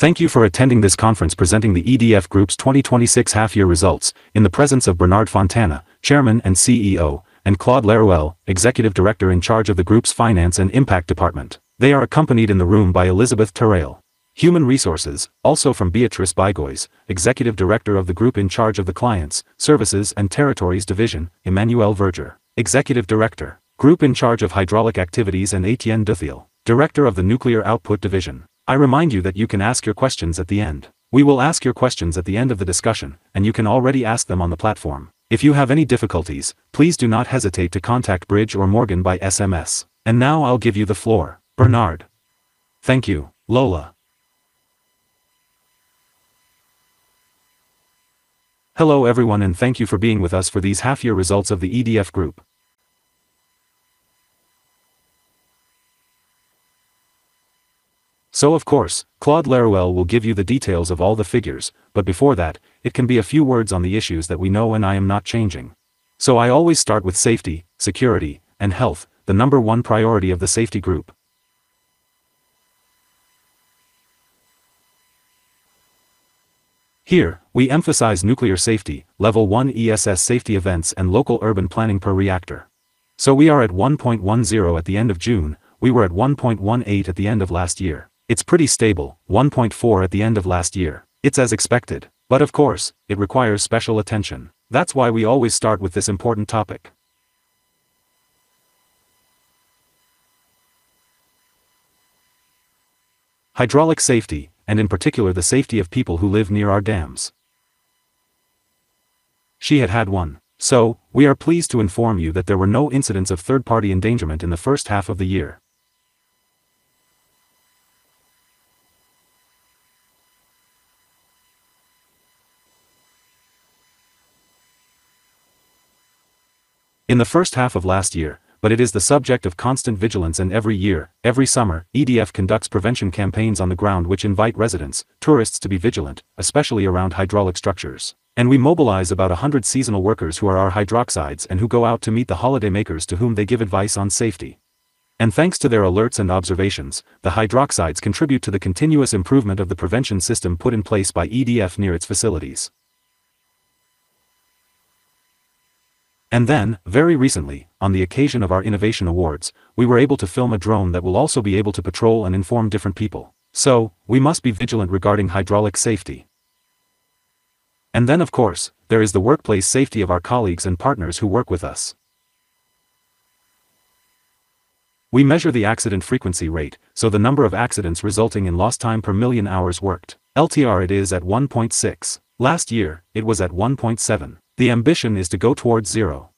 Thank you for attending this conference presenting the EDF Group's 2026 half-year results in the presence of Bernard Fontana, Chairman and Chief Executive Officer, and Claude Laruelle, Executive Director in charge of the Group's Finance and Impact department. They are accompanied in the room by Elisabeth Terrail, Human Resources, also by Béatrice Bigois, Executive Director of the Group in charge of the Clients, Services and Territories division, Emmanuelle Verger, Executive Director, Group in charge of Hydraulic Activities and Etienne Dutheil, Director of the Nuclear Output division. You can ask your questions at the end. We will ask your questions at the end of the discussion. You can already ask them on the platform. If you have any difficulties, please do not hesitate to contact Bridge or Morgan by SMS. I'll give you the floor, Bernard. Thank you, Lola. Hello everyone. Thank you for being with us for these half-year results of the EDF Group. Claude Laruelle will give you the details of all the figures. It can be a few words on the issues that we know. I always start with safety, security, and health, the number one priority of the safety group. Here, we emphasize nuclear safety, level 1 ESS safety events and local urban planning per reactor. We are at 1.10 at the end of June. We were at 1.18 at the end of last year. It's pretty stable, 1.4 at the end of last year. It's as expected. It requires special attention. That's why we always start with this important topic. Hydraulic safety, the safety of people who live near our dams. She had had one. We are pleased to inform you that there were no incidents of third-party endangerment in the first half of the year. In the first half of last year, it is the subject of constant vigilance. Every year, every summer, EDF conducts prevention campaigns on the ground which invite residents, tourists to be vigilant, especially around hydraulic structures. We mobilize about 100 seasonal workers who are our hydroguides and who go out to meet the holidaymakers to whom they give advice on safety. Thanks to their alerts and observations, the hydroguides contribute to the continuous improvement of the prevention system put in place by EDF near its facilities. Very recently, on the occasion of our EDF Pulse Awards, we were able to film a drone that will also be able to patrol and inform different people. We must be vigilant regarding hydraulic safety. There is the workplace safety of our colleagues and partners who work with us. We measure the accident frequency rate, the number of accidents resulting in lost time per million hours worked. LTIR it is at 1.6. Last year, it was at 1.7. The ambition is to go towards zero.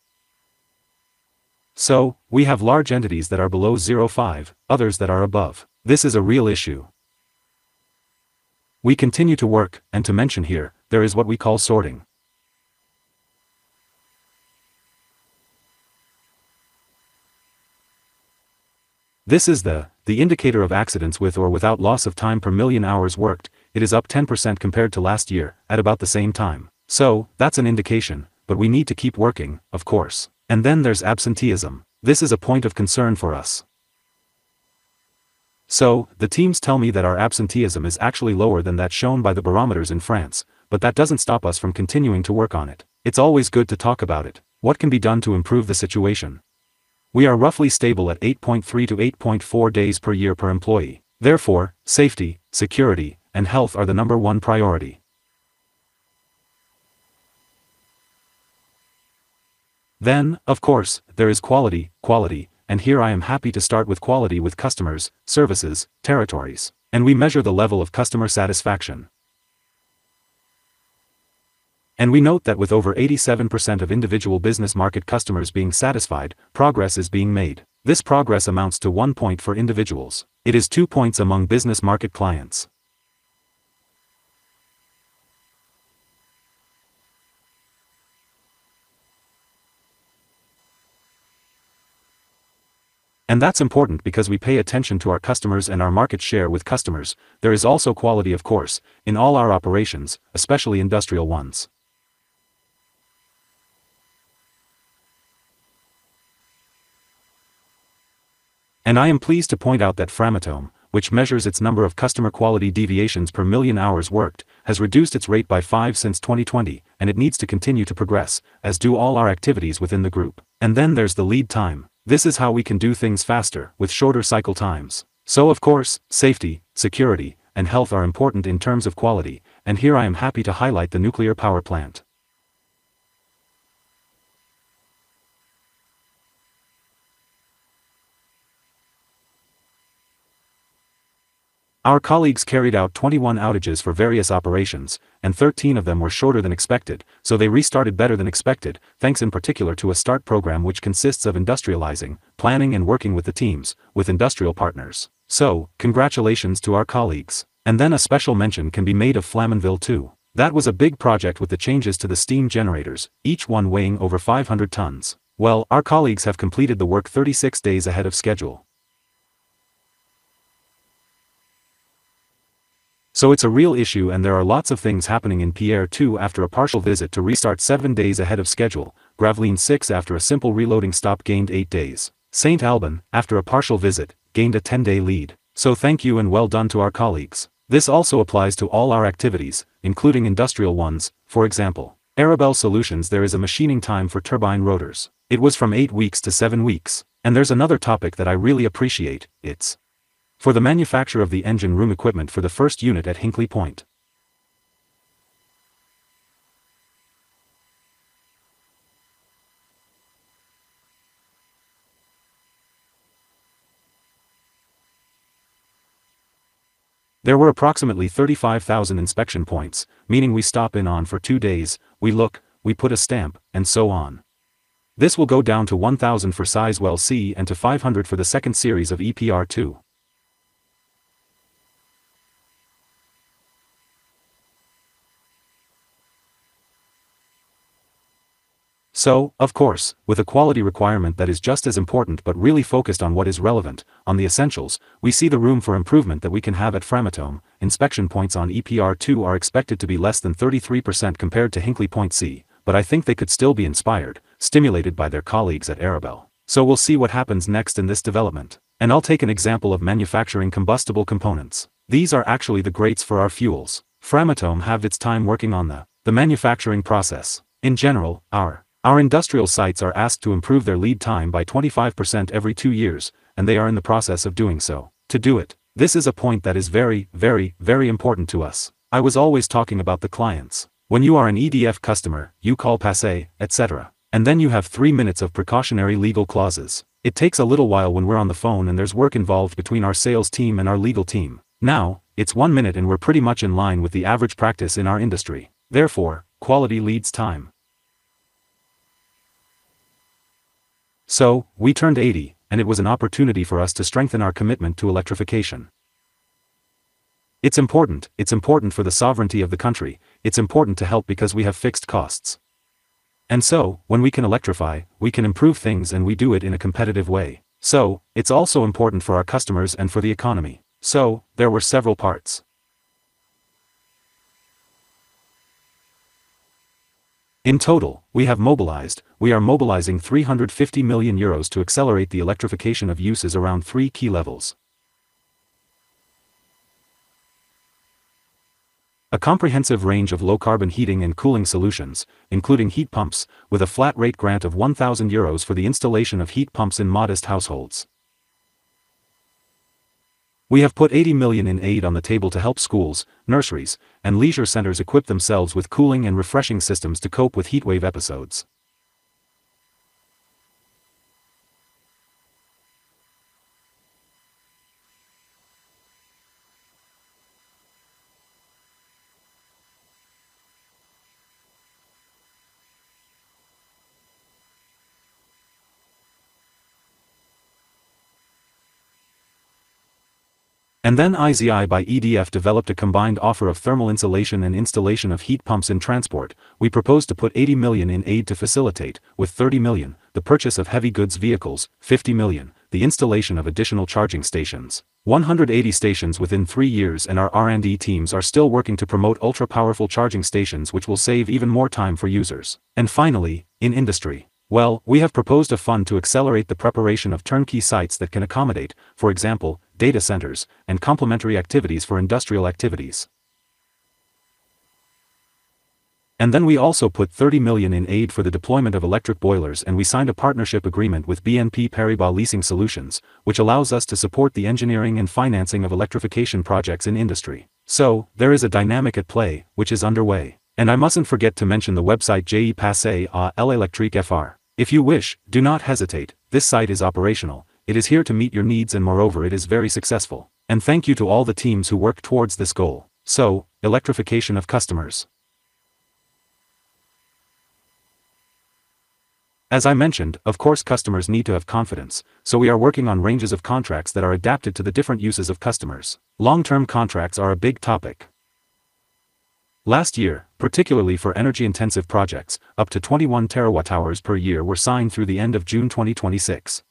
We have large entities that are below 0.5, others that are above. This is a real issue. We continue to work. There is what we call sorting. This is the indicator of accidents with or without loss of time per million hours worked. It is up 10% compared to last year, at about the same time. That's an indication. We need to keep working, of course. There's absenteeism. This is a point of concern for us. The teams tell me that our absenteeism is actually lower than that shown by the barometers in France, that doesn't stop us from continuing to work on it. It's always good to talk about it. What can be done to improve the situation? We are roughly stable at 8.3-8.4 days per year per employee. Therefore, safety, security, and health are the number one priority. Of course, there is quality, and here I am happy to start with quality with customers, services, territories. We measure the level of customer satisfaction. We note that with over 87% of individual business market customers being satisfied, progress is being made. This progress amounts to one point for individuals. It is two points among business market clients. That's important because we pay attention to our customers and our market share with customers. There is also quality of course, in all our operations, especially industrial ones. I am pleased to point out that Framatome, which measures its number of customer quality deviations per million hours worked, has reduced its rate by five since 2020, and it needs to continue to progress, as do all our activities within the group. There's the lead time. This is how we can do things faster, with shorter cycle times. Of course, safety, security, and health are important in terms of quality, and here I am happy to highlight the nuclear power plant. Our colleagues carried out 21 outages for various operations, and 13 of them were shorter than expected, so they restarted better than expected, thanks in particular to a START program which consists of industrializing, planning and working with the teams, with industrial partners. Congratulations to our colleagues. A special mention can be made of Flamanville 2. That was a big project with the changes to the steam generators, each one weighing over 500 tons. Well, our colleagues have completed the work 36 days ahead of schedule. It's a real issue and there are lots of things happening in [Penly] too after a partial visit to restart seven days ahead of schedule. Gravelines 6 after a simple reloading stop gained eight days. Saint-Alban, after a partial visit, gained a 10-day lead. Thank you and well done to our colleagues. This also applies to all our activities, including industrial ones. For example, Arabelle Solutions there is a machining time for turbine rotors. It was from eight weeks to seven weeks. There's another topic that I really appreciate, it's for the manufacture of the engine room equipment for the 1st unit at Hinkley Point C. There were approximately 35,000 inspection points, meaning we stop in on for two days, we look, we put a stamp, and so on. This will go down to 1,000 for Sizewell C and to 500 for the second series of EPR2. Of course, with a quality requirement that is just as important but really focused on what is relevant, on the essentials, we see the room for improvement that we can have at Framatome. Inspection points on EPR2 are expected to be less than 33% compared to Hinkley Point C, but I think they could still be inspired, stimulated by their colleagues at Arabelle Solutions. We'll see what happens next in this development. I'll take an example of manufacturing combustible components. These are actually the grates for our fuels. Framatome halved its time working on the manufacturing process. In general, our industrial sites are asked to improve their lead time by 25% every two years, and they are in the process of doing so. This is a point that is very important to us. I was always talking about the clients. When you are an EDF customer, you call Passe, et cetera. You have three minutes of precautionary legal clauses. It takes a little while when we're on the phone and there's work involved between our sales team and our legal team. It's one minute and we're pretty much in line with the average practice in our industry. Quality leads time. We turned 80, and it was an opportunity for us to strengthen our commitment to electrification. It's important, it's important for the sovereignty of the country, it's important to help because we have fixed costs. When we can electrify, we can improve things and we do it in a competitive way. It's also important for our customers and for the economy. There were several parts. In total, we have mobilized, we are mobilizing 350 million euros to accelerate the electrification of uses around three key levels. A comprehensive range of low-carbon heating and cooling solutions, including heat pumps, with a flat rate grant of 1,000 euros for the installation of heat pumps in modest households. We have put 80 million in aid on the table to help schools, nurseries, and leisure centers equip themselves with cooling and refreshing systems to cope with heatwave episodes. IZI by EDF developed a combined offer of thermal insulation and installation of heat pumps in transport. We proposed to put 80 million in aid to facilitate, with 30 million, the purchase of heavy goods vehicles. 50 million, the installation of additional charging stations, 180 stations within three years and our R&D teams are still working to promote ultra-powerful charging stations which will save even more time for users. In industry. We have proposed a fund to accelerate the preparation of turnkey sites that can accommodate, for example, data centers, and complementary activities for industrial activities. We also put 30 million in aid for the deployment of electric boilers and we signed a partnership agreement with BNP Paribas Leasing Solutions, which allows us to support the engineering and financing of electrification projects in industry. There is a dynamic at play, which is underway. I mustn't forget to mention the website jepassealelectrique.fr. If you wish, do not hesitate, this site is operational, it is here to meet your needs and moreover it is very successful. Thank you to all the teams who worked towards this goal. Electrification of customers. As I mentioned, customers need to have confidence, so we are working on ranges of contracts that are adapted to the different uses of customers. Long-term contracts are a big topic. Last year, particularly for energy-intensive projects, up to 21 TWh per year were signed through the end of June 2026.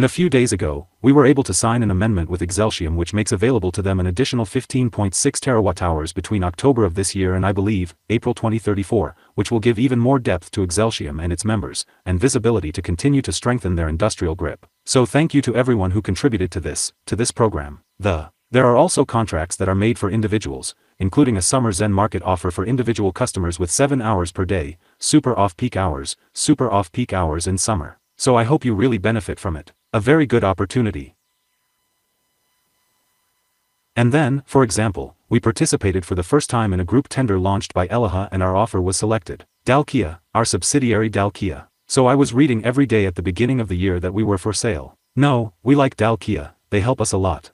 A few days ago, we were able to sign an amendment with Exeltium which makes available to them an additional 15.6 TWh between October of this year and I believe, April 2034, which will give even more depth to Exeltium and its members, and visibility to continue to strengthen their industrial grip. Thank you to everyone who contributed to this, to this program. There are also contracts that are made for individuals, including a Zen Estival market offer for individual customers with seven hours per day, super off-peak hours, super off-peak hours in summer. I hope you really benefit from it. A very good opportunity. For example, we participated for the first time in a group tender launched by Elia Group and our offer was selected. Dalkia, our subsidiary. I was reading every day at the beginning of the year that we were for sale. No, we like Dalkia, they help us a lot.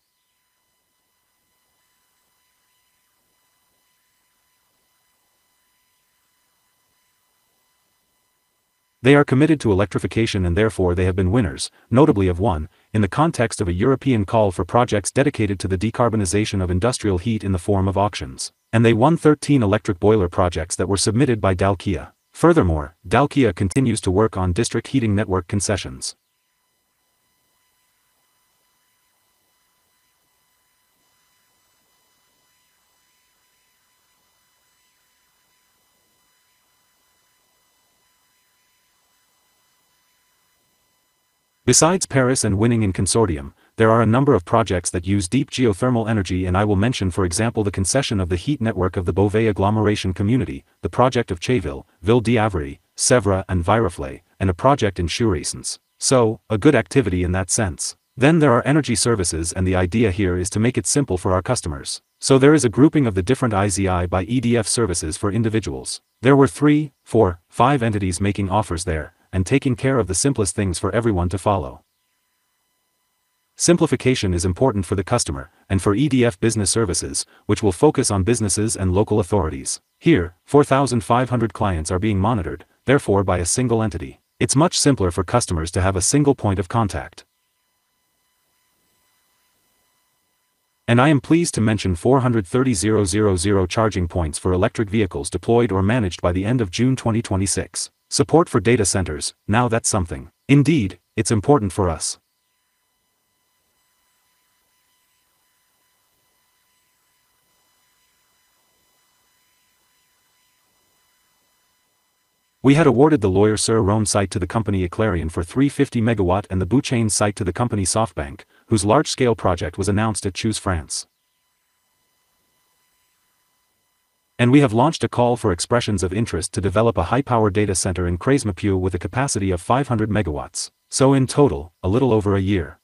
They are committed to electrification and they have been winners, notably of one, in the context of a European call for projects dedicated to the decarbonization of industrial heat in the form of auctions. They won 13 electric boiler projects that were submitted by Dalkia. Dalkia continues to work on district heating network concessions. Besides Paris and winning in consortium, there are a number of projects that use deep geothermal energy and I will mention for example the concession of the heat network of the Beauvais Agglomeration Community, the project of Chaville, Ville-d'Avray, Sèvres and Viroflay, and a project in Chauray since. A good activity in that sense. Then there are energy services and the idea here is to make it simple for our customers. There is a grouping of the different IZI by EDF services for individuals. There were three, four, five entities making offers there, and taking care of the simplest things for everyone to follow. Simplification is important for the customer, and for EDF Business Services, which will focus on businesses and local authorities. Here, 4,500 clients are being monitored, therefore by a single entity. It's much simpler for customers to have a single point of contact. I am pleased to mention 430,000 charging points for electric vehicles deployed or managed by the end of June 2026. Support for data centers, now that's something. Indeed, it's important for us. We had awarded the Loire-sur-Rhône site to the company Eclairion for 350 MW and the Bouchain site to the company SoftBank, whose large-scale project was announced at Choose France. We have launched a call for expressions of interest to develop a high-power data center in Creys-Mépieu with a capacity of 500 MW. In total, a little over a year.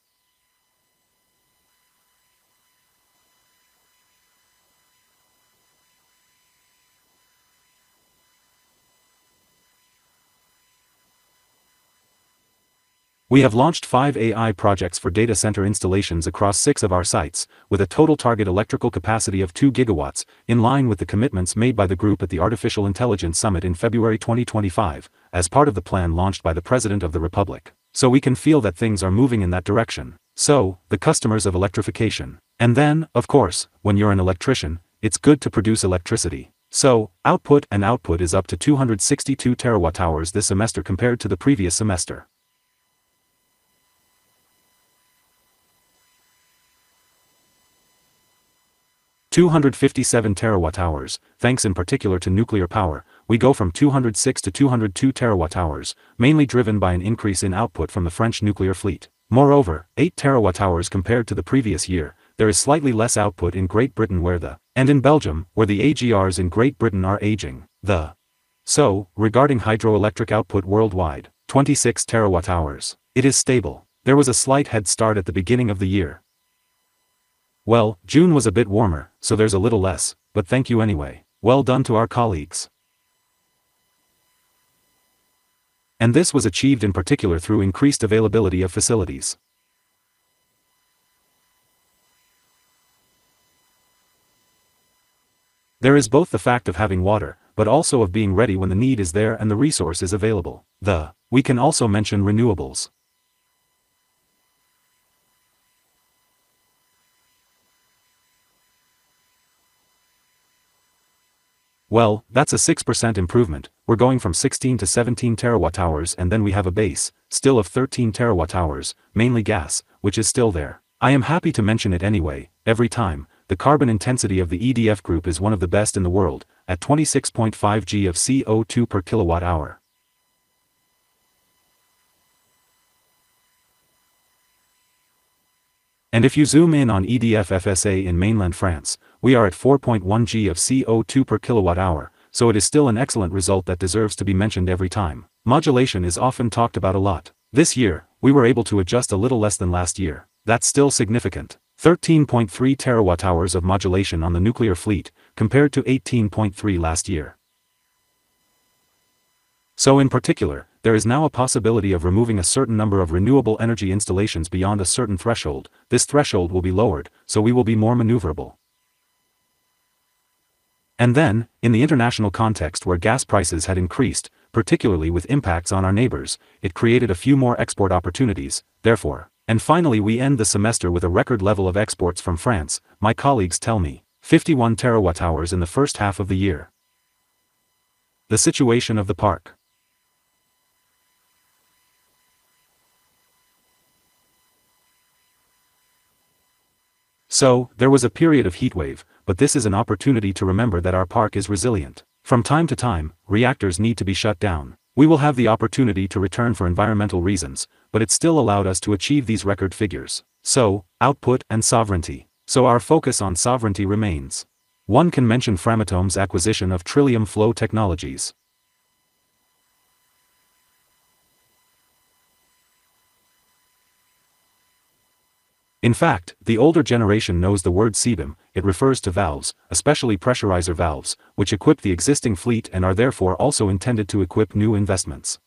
We have launched five AI projects for data center installations across six of our sites, with a total target electrical capacity of 2 GW, in line with the commitments made by the group at the Artificial Intelligence Summit in February 2025, as part of the plan launched by the President of the Republic. We can feel that things are moving in that direction. The customers of electrification. When you're an electrician, it's good to produce electricity. Output and output is up to 262 TWh this semester compared to the previous semester. 257 TWh, thanks in particular to nuclear power, we go from 206 TWh-202 TWh, mainly driven by an increase in output from the French nuclear fleet. 8 TWh compared to the previous year, there is slightly less output in Great Britain. In Belgium, where the AGRs in Great Britain are aging. Regarding hydroelectric output worldwide, 26 TWh. It is stable. There was a slight head start at the beginning of the year. June was a bit warmer, so there's a little less, but thank you anyway. Well done to our colleagues. This was achieved in particular through increased availability of facilities. There is both the fact of having water, but also of being ready when the need is there and the resource is available. We can also mention renewables. That's a 6% improvement, we're going from 16 TWh-17 TWh. Then we have a base, still of 13 TWh, mainly gas, which is still there. I am happy to mention it anyway, every time, the carbon intensity of the EDF Group is one of the best in the world, at 26.5 g of CO2 per kilowatt hour. If you zoom in on EDF SA in mainland France, we are at 4.1 g of CO2 per kilowatt hour. It is still an excellent result that deserves to be mentioned every time. Modulation is often talked about a lot. This year, we were able to adjust a little less than last year. That's still significant. 13.3 TWh of modulation on the nuclear fleet, compared to 18.3 TWh last year. In particular, there is now a possibility of removing a certain number of renewable energy installations beyond a certain threshold. This threshold will be lowered, so we will be more maneuverable. Then, in the international context where gas prices had increased, particularly with impacts on our neighbors, it created a few more export opportunities. Finally, we end the semester with a record level of exports from France, my colleagues tell me. 51 TWh in the first half of the year. The situation of the park. There was a period of heatwave, but this is an opportunity to remember that our park is resilient. From time to time, reactors need to be shut down. We will have the opportunity to return for environmental reasons, but it still allowed us to achieve these record figures. Output and sovereignty. Our focus on sovereignty remains. One can mention Framatome's acquisition of Trillium Flow Technologies. In fact, the older generation knows the word Sebim. It refers to valves, especially pressurizer valves, which equip the existing fleet and are therefore also intended to equip new investments.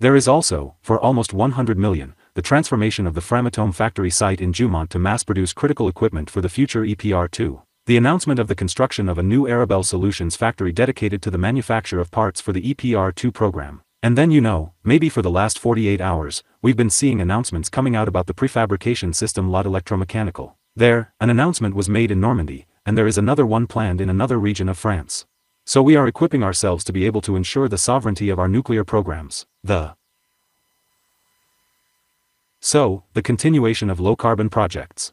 There is also, for almost 100 million, the transformation of the Framatome factory site in Jeumont to mass produce critical equipment for the future EPR2. The announcement of the construction of a new Arabelle Solutions factory dedicated to the manufacture of parts for the EPR2 program. Then you know, maybe for the last 48 hours, we've been seeing announcements coming out about the prefabrication system lot electromechanical. There, an announcement was made in Normandy, and there is another one planned in another region of France. We are equipping ourselves to be able to ensure the sovereignty of our nuclear programs. The continuation of low-carbon projects.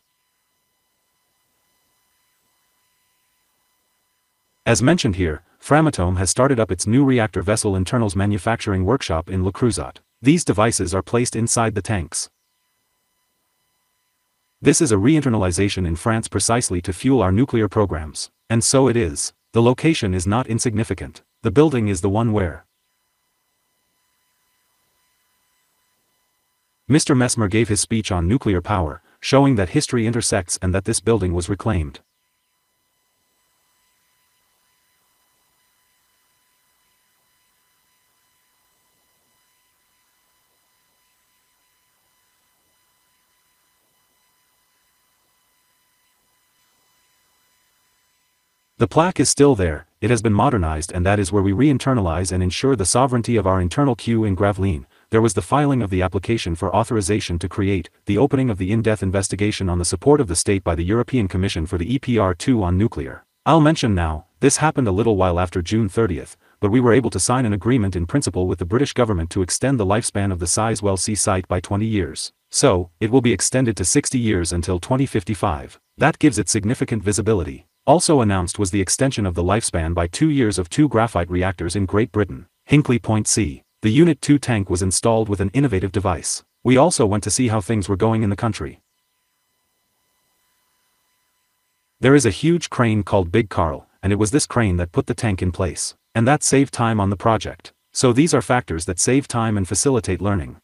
As mentioned here, Framatome has started up its new reactor vessel internals manufacturing workshop in Le Creusot. These devices are placed inside the tanks. This is a re-internalization in France precisely to fuel our nuclear programs. It is. The location is not insignificant. The building is the one where Mr. Messmer gave his speech on nuclear power, showing that history intersects and that this building was reclaimed. The plaque is still there, it has been modernized and that is where we re-internalize and ensure the sovereignty of our internal queue in Gravelines. There was the filing of the application for authorization to create, the opening of the in-depth investigation on the support of the state by the European Commission for the EPR2 on nuclear. I'll mention now, this happened a little while after June 30, but we were able to sign an agreement in principle with the British government to extend the lifespan of the Sizewell C site by 20 years. It will be extended to 60 years until 2055. That gives it significant visibility. Also announced was the extension of the lifespan by two years of two graphite reactors in Great Britain. Hinkley Point C. The Unit 2 tank was installed with an innovative device. We also went to see how things were going in the country. There is a huge crane called Big Carl, and it was this crane that put the tank in place. That saved time on the project. These are factors that save time and facilitate learning.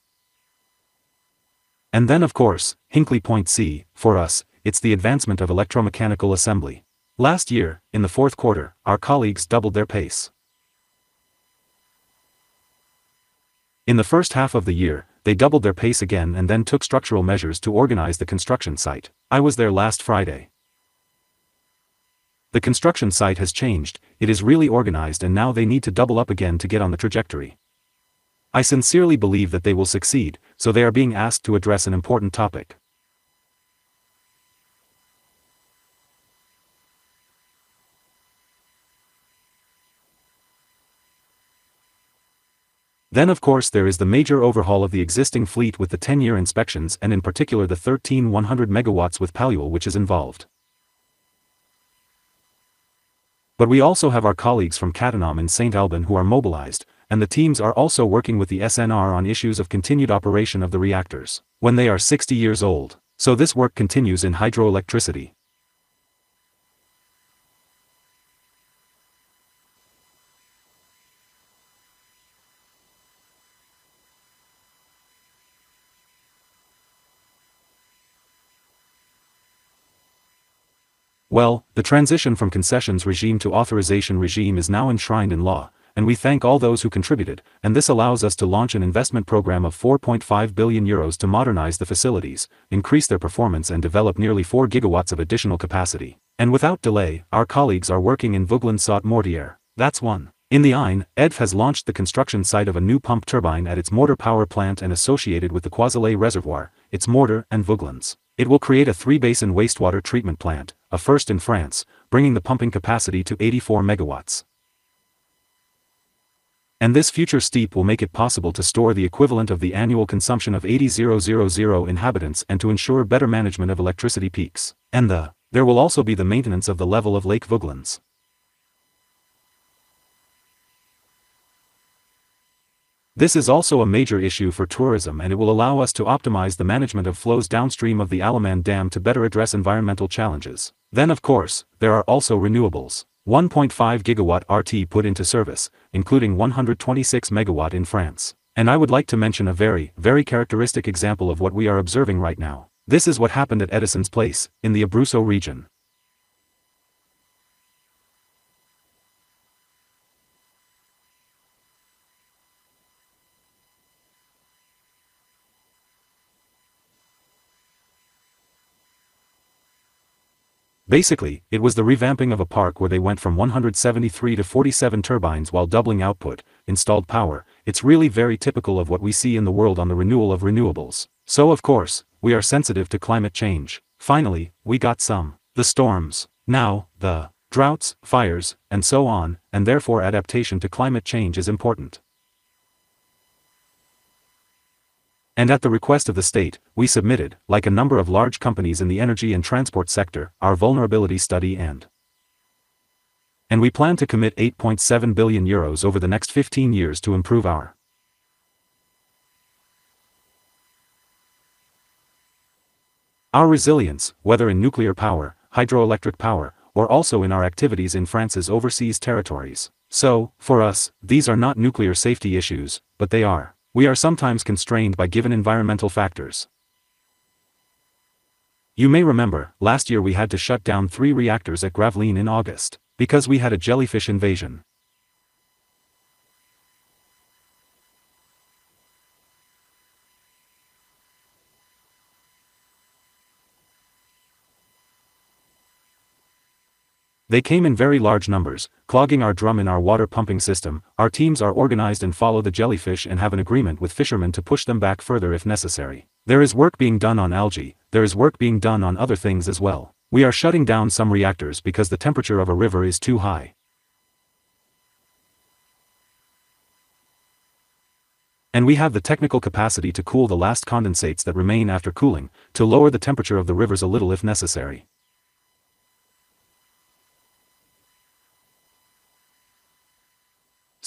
Of course, Hinkley Point C, for us, it's the advancement of electromechanical assembly. Last year, in the fourth quarter, our colleagues doubled their pace. In the first half of the year, they doubled their pace again and then took structural measures to organize the construction site. I was there last Friday. The construction site has changed, it is really organized and now they need to double up again to get on the trajectory. I sincerely believe that they will succeed, so they are being asked to address an important topic. Of course there is the major overhaul of the existing fleet with the 10-year inspections and in particular the 13 100 MW with Paluel which is involved. We also have our colleagues from Cattenom in Saint-Alban who are mobilized, and the teams are also working with the ASNR on issues of continued operation of the reactors when they are 60 years old. This work continues in hydroelectricity. Well, the transition from concessions regime to authorization regime is now enshrined in law, and we thank all those who contributed, and this allows us to launch an investment program of 4.5 billion euros to modernize the facilities, increase their performance and develop nearly 4 GW of additional capacity. Without delay, our colleagues are working in Vouglans-Saut Mortier. That's one. In the Ain, EDF has launched the construction site of a new pump turbine at its Saut-Mortier power plant and associated with the Coiselet reservoir, its Saut-Mortier and Vouglans. It will create a three-basin wastewater treatment plant, a first in France, bringing the pumping capacity to 84 MW. This future STEP will make it possible to store the equivalent of the annual consumption of 80,000 inhabitants and to ensure better management of electricity peaks. There will also be the maintenance of the level of Lake Vouglans. This is also a major issue for tourism and it will allow us to optimize the management of flows downstream of the Allement Dam to better address environmental challenges. Then of course, there are also renewables. 1.5 GW RT put into service, including 126 MW in France. I would like to mention a very, very characteristic example of what we are observing right now. This is what happened at Edison's place, in the Abruzzo region. Basically, it was the revamping of a park where they went from 173 to 47 turbines while doubling output, installed power, it's really very typical of what we see in the world on the renewal of renewables. Of course, we are sensitive to climate change. Finally, we got some. The storms. Now, the droughts, fires, and so on, and therefore adaptation to climate change is important. At the request of the state, we submitted, like a number of large companies in the energy and transport sector, our vulnerability study. We plan to commit 8.7 billion euros over the next 15 years to improve our resilience, whether in nuclear power, hydroelectric power, or also in our activities in France's overseas territories. For us, these are not nuclear safety issues, but they are. We are sometimes constrained by given environmental factors. You may remember, last year we had to shut down three reactors at Gravelines in August because we had a jellyfish invasion. They came in very large numbers, clogging our drum in our water pumping system. Our teams are organized and follow the jellyfish and have an agreement with fishermen to push them back further if necessary. There is work being done on algae. There is work being done on other things as well. We are shutting down some reactors because the temperature of a river is too high. We have the technical capacity to cool the last condensates that remain after cooling to lower the temperature of the rivers a little if necessary.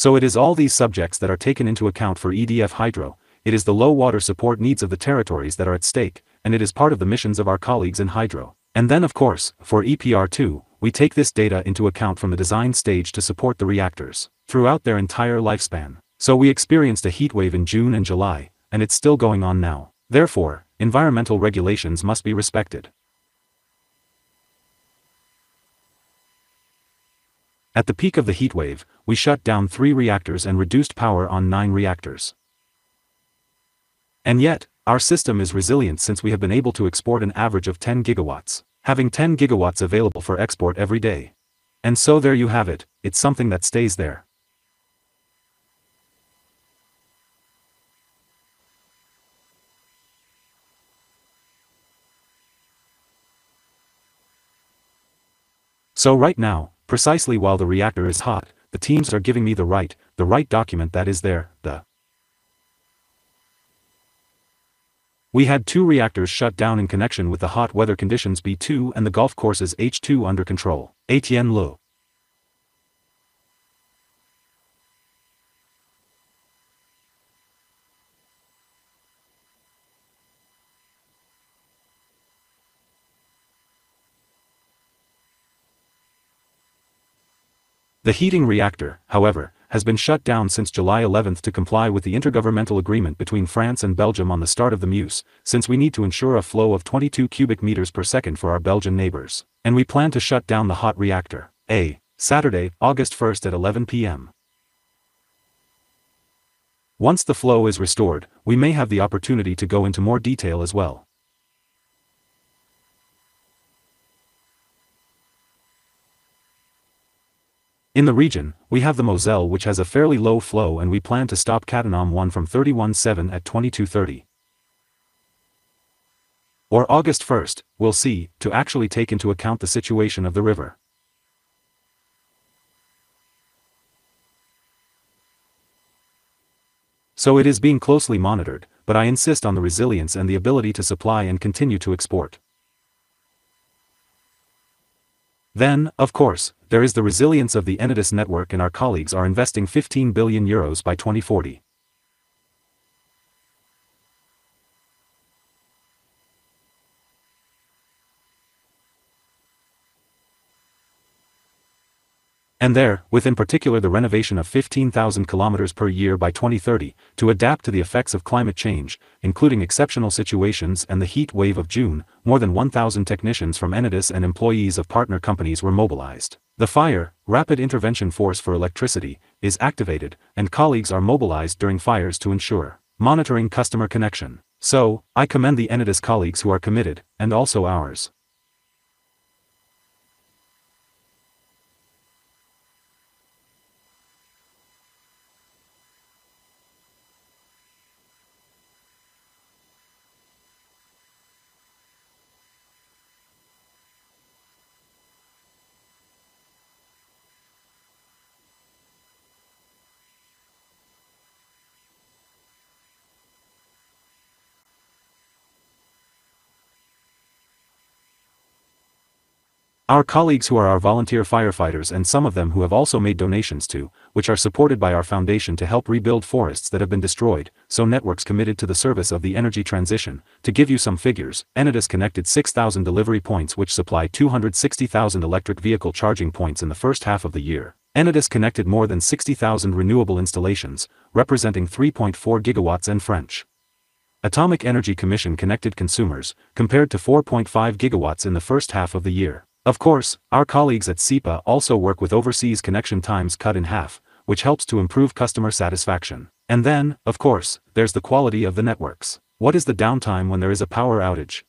It is all these subjects that are taken into account for EDF Hydro. It is the low water support needs of the territories that are at stake, and it is part of the missions of our colleagues in Hydro. Then of course for EPR2, we take this data into account from the design stage to support the reactors throughout their entire lifespan. We experienced a heatwave in June and July, and it's still going on now. Therefore, environmental regulations must be respected. At the peak of the heatwave, we shut down three reactors and reduced power on nine reactors. Yet our system is resilient since we have been able to export an average of 10 GW, having 10 GW available for export every day. There you have it. It's something that stays there. Right now, precisely while the reactor is hot, the teams are giving me the right document that is there. We had two reactors shut down in connection with the hot weather conditions Bugey 2 and the Golfech 2 under control. [inaudible] The heating reactor, however, has been shut down since July 11th to comply with the intergovernmental agreement between France and Belgium on the start of the Meuse, since we need to ensure a flow of 22 cu m per second for our Belgian neighbors, and we plan to shut down the hot reactor a Saturday, August 1st at 11:00 P.M. Once the flow is restored, we may have the opportunity to go into more detail as well. In the region, we have the Moselle, which has a fairly low flow, and we plan to stop Cattenom 1 from July 31 at 10:30 P.M. August 1st, we'll see, to actually take into account the situation of the river. It is being closely monitored, but I insist on the resilience and the ability to supply and continue to export. There is the resilience of the Enedis network and our colleagues are investing 15 billion euros by 2040. There with, in particular, the renovation of 15,000 km per year by 2030 to adapt to the effects of climate change, including exceptional situations and the heatwave of June. More than 1,000 technicians from Enedis and employees of partner companies were mobilized. The FIRE, Rapid Electricity Intervention Force, is activated and colleagues are mobilized during fires to ensure monitoring customer connection. I commend the Enedis colleagues who are committed and also ours. Our colleagues who are our volunteer firefighters and some of them who have also made donations too, which are supported by our foundation to help rebuild forests that have been destroyed. Networks committed to the service of the energy transition. To give you some figures, Enedis connected 6,000 delivery points which supply 260,000 electric vehicle charging points in the first half of the year. Enedis connected more than 60,000 renewable installations, representing 3.4 GW and French Alternative Energies and Atomic Energy Commission connected consumers, compared to 4.5 GW in the first half of the year. Of course, our colleagues at SEI also work with overseas connection times cut in half, which helps to improve customer satisfaction. There's the quality of the networks. What is the downtime when there is a power outage?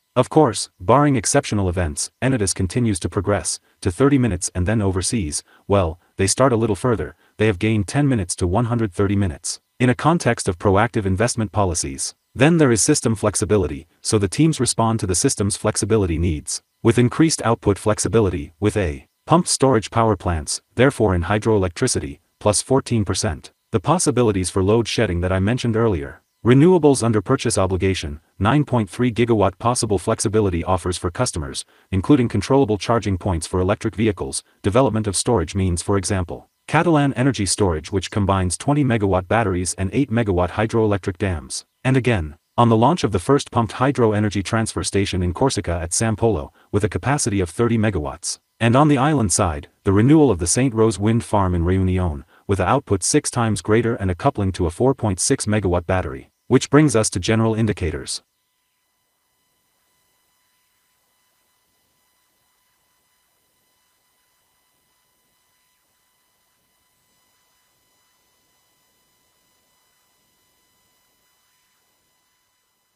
Barring exceptional events, Enedis continues to progress to 30 minutes and then overseas, well, they start a little further. They have gained 10 minutes to 130 minutes in a context of proactive investment policies. There is system flexibility. The teams respond to the system's flexibility needs with increased output flexibility with a pumped-storage power plants. Therefore, in hydroelectricity, +14%, the possibilities for load shedding that I mentioned earlier. Renewables under purchase obligation 9.3 GW possible flexibility offers for customers, including controllable charging points for electric vehicles. Development of storage means for example, Stockage Énergie Catalan which combines 20 MW batteries and 8 MW hydroelectric dams, and again on the launch of the first pumped-hydro energy transfer station in Corsica at Sampolo with a capacity of 30 MW. On the island side, the renewal of the Saint-Rose wind farm in Réunion with an output six times greater and a coupling to a 4.6 MW battery, which brings us to general indicators.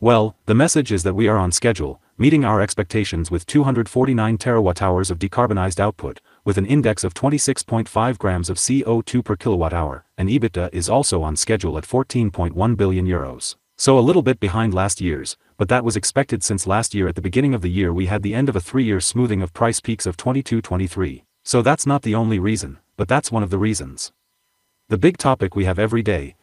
The message is that we are on schedule, meeting our expectations with 249 TWh of decarbonized output, with an index of 26.5 g of CO2 per kilowatt hour. EBITDA is also on schedule at 14.1 billion euros. A little bit behind last year's, but that was expected since last year at the beginning of the year, we had the end of a three-year smoothing of price peaks of 2022, 2023. That's not the only reason, that's one of the reasons. The big topic we have every day,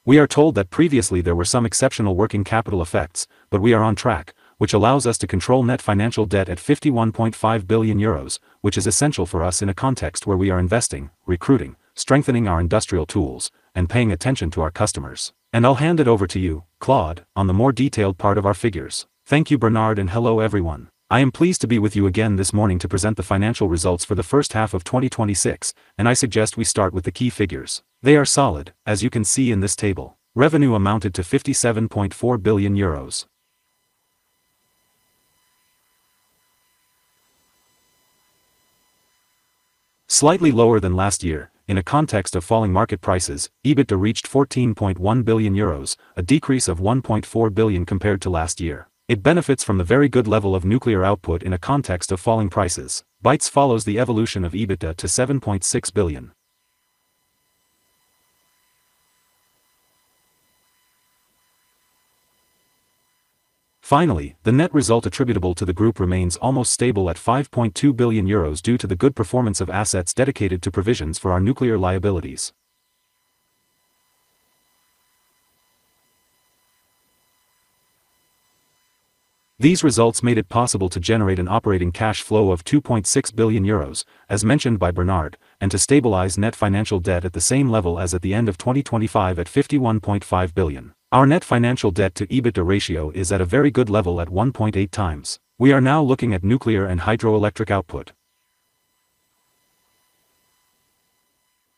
the operating cash flow is there at EUR 2.6 billion. We are told that previously there were some exceptional working capital effects, we are on track, which allows us to control net financial debt at 51.5 billion euros, which is essential for us in a context where we are investing, recruiting, strengthening our industrial tools, and paying attention to our customers. I'll hand it over to you, Claude, on the more detailed part of our figures. Thank you, Bernard, hello everyone. I am pleased to be with you again this morning to present the financial results for the first half of 2026. I suggest we start with the key figures. They are solid, as you can see in this table. Revenue amounted to 57.4 billion euros. Slightly lower than last year, in a context of falling market prices, EBITDA reached 14.1 billion euros, a decrease of 1.4 billion compared to last year. It benefits from the very good level of nuclear output in a context of falling prices. EBIT follows the evolution of EBITDA to 7.6 billion. Finally, the net result attributable to the group remains almost stable at 5.2 billion euros due to the good performance of assets dedicated to provisions for our nuclear liabilities. These results made it possible to generate an operating cash flow of 2.6 billion euros, as mentioned by Bernard, to stabilize net financial debt at the same level as at the end of 2025 at 51.5 billion. Our net financial debt to EBITDA ratio is at a very good level at 1.8x. We are now looking at nuclear and hydroelectric output.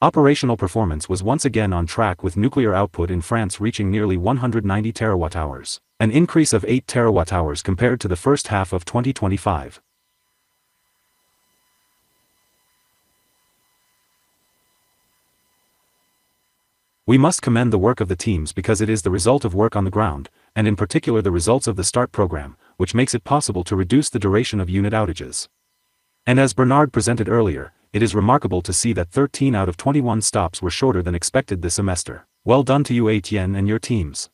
Operational performance was once again on track with nuclear output in France reaching nearly 190 TWh. An increase of 8 TWh compared to the first half of 2025. We must commend the work of the teams because it is the result of work on the ground, and in particular the results of the START program, which makes it possible to reduce the duration of unit outages. As Bernard presented earlier, it is remarkable to see that 13 out of 21 stops were shorter than expected this semester. Well done to you, Etienne and your teams.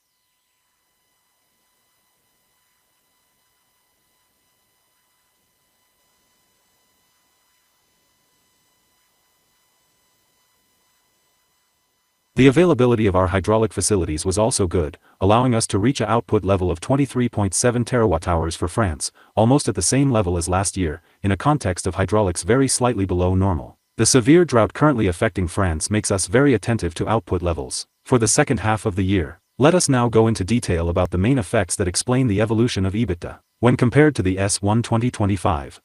The availability of our hydraulic facilities was also good, allowing us to reach an output level of 23.7 TWh for France, almost at the same level as last year, in a context of hydraulics very slightly below normal. The severe drought currently affecting France makes us very attentive to output levels for the second half of the year. Let us now go into detail about the main effects that explain the evolution of EBITDA when compared to the S1 2025.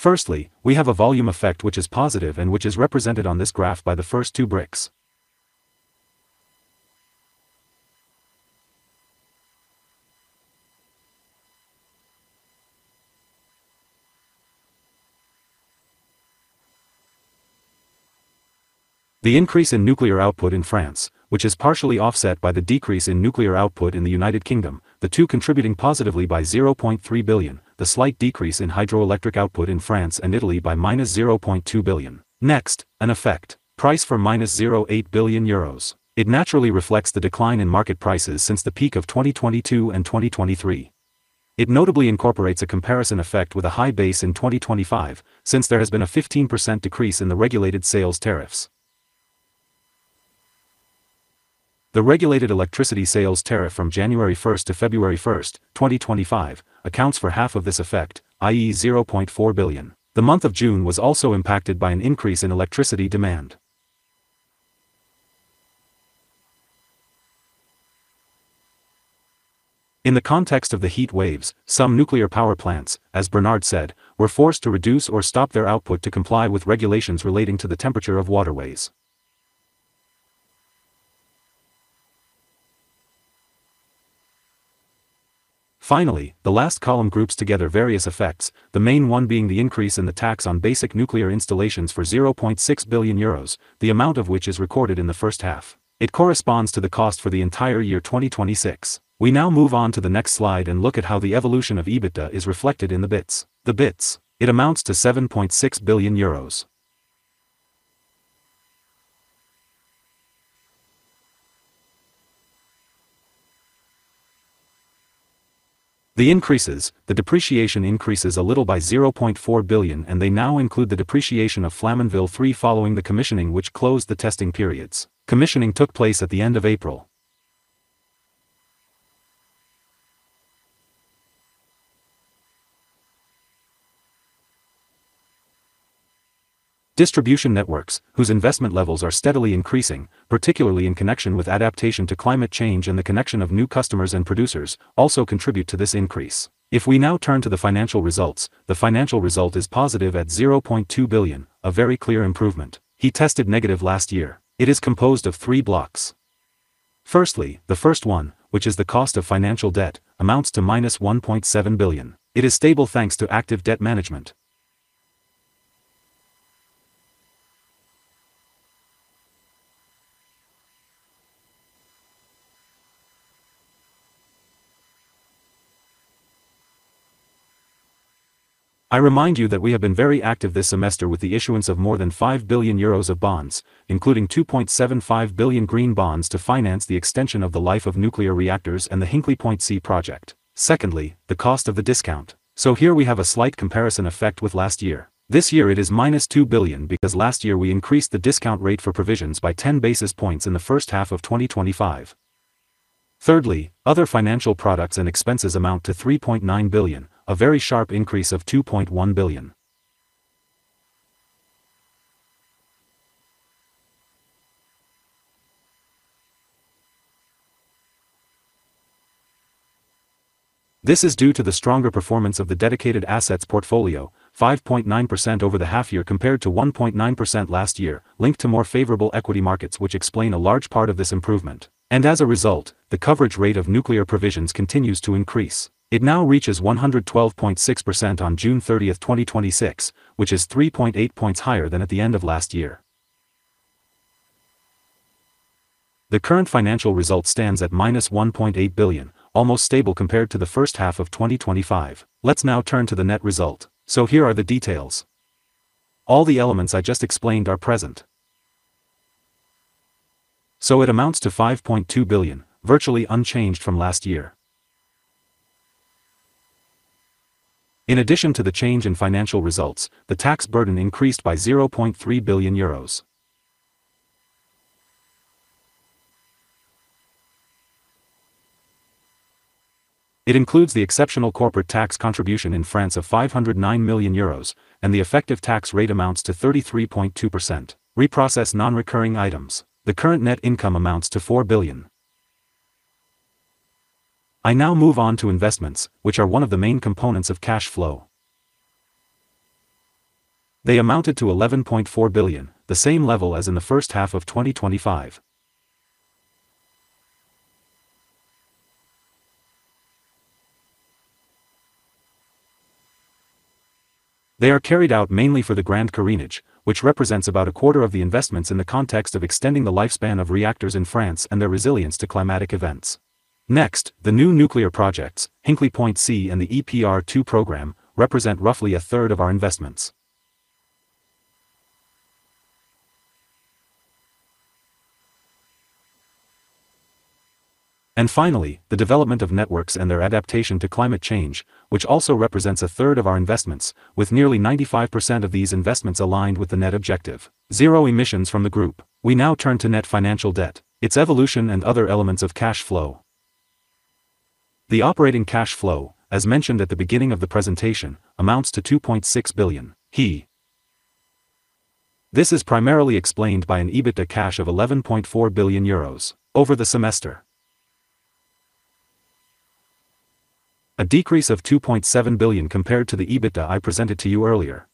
Firstly, we have a volume effect which is positive and which is represented on this graph by the first two bricks. The increase in nuclear output in France, which is partially offset by the decrease in nuclear output in the United Kingdom, the two contributing positively by 0.3 billion, the slight decrease in hydroelectric output in France and Italy by -0.2 billion. Next, an effect. Price for -0.8 billion euros. It naturally reflects the decline in market prices since the peak of 2022 and 2023. It notably incorporates a comparison effect with a high base in 2025, since there has been a 15% decrease in the regulated sales tariffs. The regulated electricity sales tariff from January 1st to February 1st, 2025, accounts for half of this effect, i.e., 0.4 billion. The month of June was also impacted by an increase in electricity demand. In the context of the heat waves, some nuclear power plants, as Bernard said, were forced to reduce or stop their output to comply with regulations relating to the temperature of waterways. Finally, the last column groups together various effects, the main one being the increase in the tax on basic nuclear installations for 0.6 billion euros, the amount of which is recorded in the first half. It corresponds to the cost for the entire year 2026. We now move on to the next slide and look at how the evolution of EBITDA is reflected in the EBIT. The EBIT. It amounts to 7.6 billion euros. The increases, the depreciation increases a little by 0.4 billion and they now include the depreciation of Flamanville 3 following the commissioning which closed the testing periods. Commissioning took place at the end of April. Distribution networks, whose investment levels are steadily increasing, particularly in connection with adaptation to climate change and the connection of new customers and producers, also contribute to this increase. If we now turn to the financial results, the financial result is positive at 0.2 billion, a very clear improvement. It tested negative last year. It is composed of three blocks. Firstly, the first one, which is the cost of financial debt, amounts to -1.7 billion. It is stable thanks to active debt management. I remind you that we have been very active this semester with the issuance of more than 5 billion euros of bonds, including 2.75 billion green bonds to finance the extension of the life of nuclear reactors and the Hinkley Point C project. Secondly, the cost of the discount. Here we have a slight comparison effect with last year. This year it is minus 2 billion because last year we increased the discount rate for provisions by 10 basis points in the first half of 2025. Thirdly, other financial products and expenses amount to 3.9 billion, a very sharp increase of 2.1 billion. This is due to the stronger performance of the dedicated assets portfolio, 5.9% over the half year compared to 1.9% last year, linked to more favorable equity markets which explain a large part of this improvement. As a result, the coverage rate of nuclear provisions continues to increase. It now reaches 112.6% on June 30th, 2026, which is 3.8 points higher than at the end of last year. The current financial result stands at minus 1.8 billion, almost stable compared to the first half of 2025. Let's now turn to the net result. Here are the details. All the elements I just explained are present. It amounts to 5.2 billion, virtually unchanged from last year. In addition to the change in financial results, the tax burden increased by 0.3 billion euros. It includes the exceptional corporate tax contribution in France of 509 million euros, and the effective tax rate amounts to 33.2%. Reprocess non-recurring items. The current net income amounts to 4 billion. I now move on to investments, which are one of the main components of cash flow. They amounted to 11.4 billion, the same level as in the first half of 2025. They are carried out mainly for the Grand Carénage, which represents about a quarter of the investments in the context of extending the lifespan of reactors in France and their resilience to climatic events. The new nuclear projects, Hinkley Point C and the EPR2 program, represent roughly a third of our investments. Finally, the development of networks and their adaptation to climate change, which also represents a third of our investments, with nearly 95% of these investments aligned with the net objective, zero emissions from the group. We now turn to net financial debt, its evolution and other elements of cash flow. The operating cash flow, as mentioned at the beginning of the presentation, amounts to 2.6 billion. This is primarily explained by an EBITDA cash of 11.4 billion euros over the semester. A decrease of 2.7 billion compared to the EBITDA I presented to you earlier.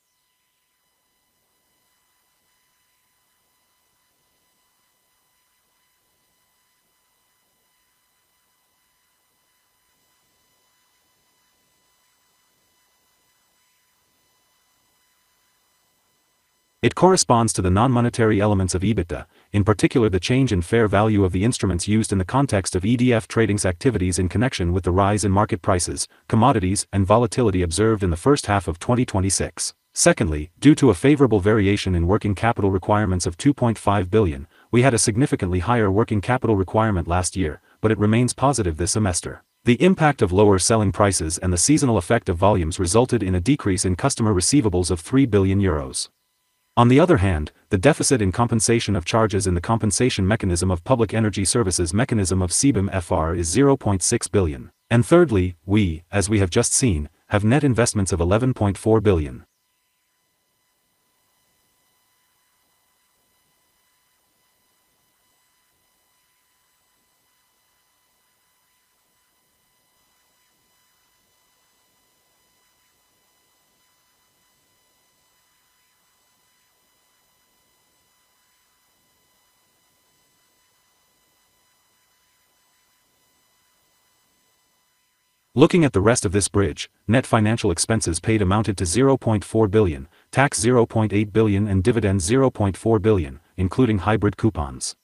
It corresponds to the non-monetary elements of EBITDA, in particular the change in fair value of the instruments used in the context of EDF Trading's activities in connection with the rise in market prices, commodities and volatility observed in the first half of 2026. Secondly, due to a favorable variation in working capital requirements of 2.5 billion, we had a significantly higher working capital requirement last year, but it remains positive this semester. The impact of lower selling prices and the seasonal effect of volumes resulted in a decrease in customer receivables of 3 billion euros. On the other hand, the deficit in compensation of charges in the compensation mechanism of public energy services mechanism of CSPE is 0.6 billion. Thirdly, we, as we have just seen, have net investments of 11.4 billion. Looking at the rest of this bridge, net financial expenses paid amounted to 0.4 billion, tax 0.8 billion and dividends 0.4 billion, including hybrid coupons.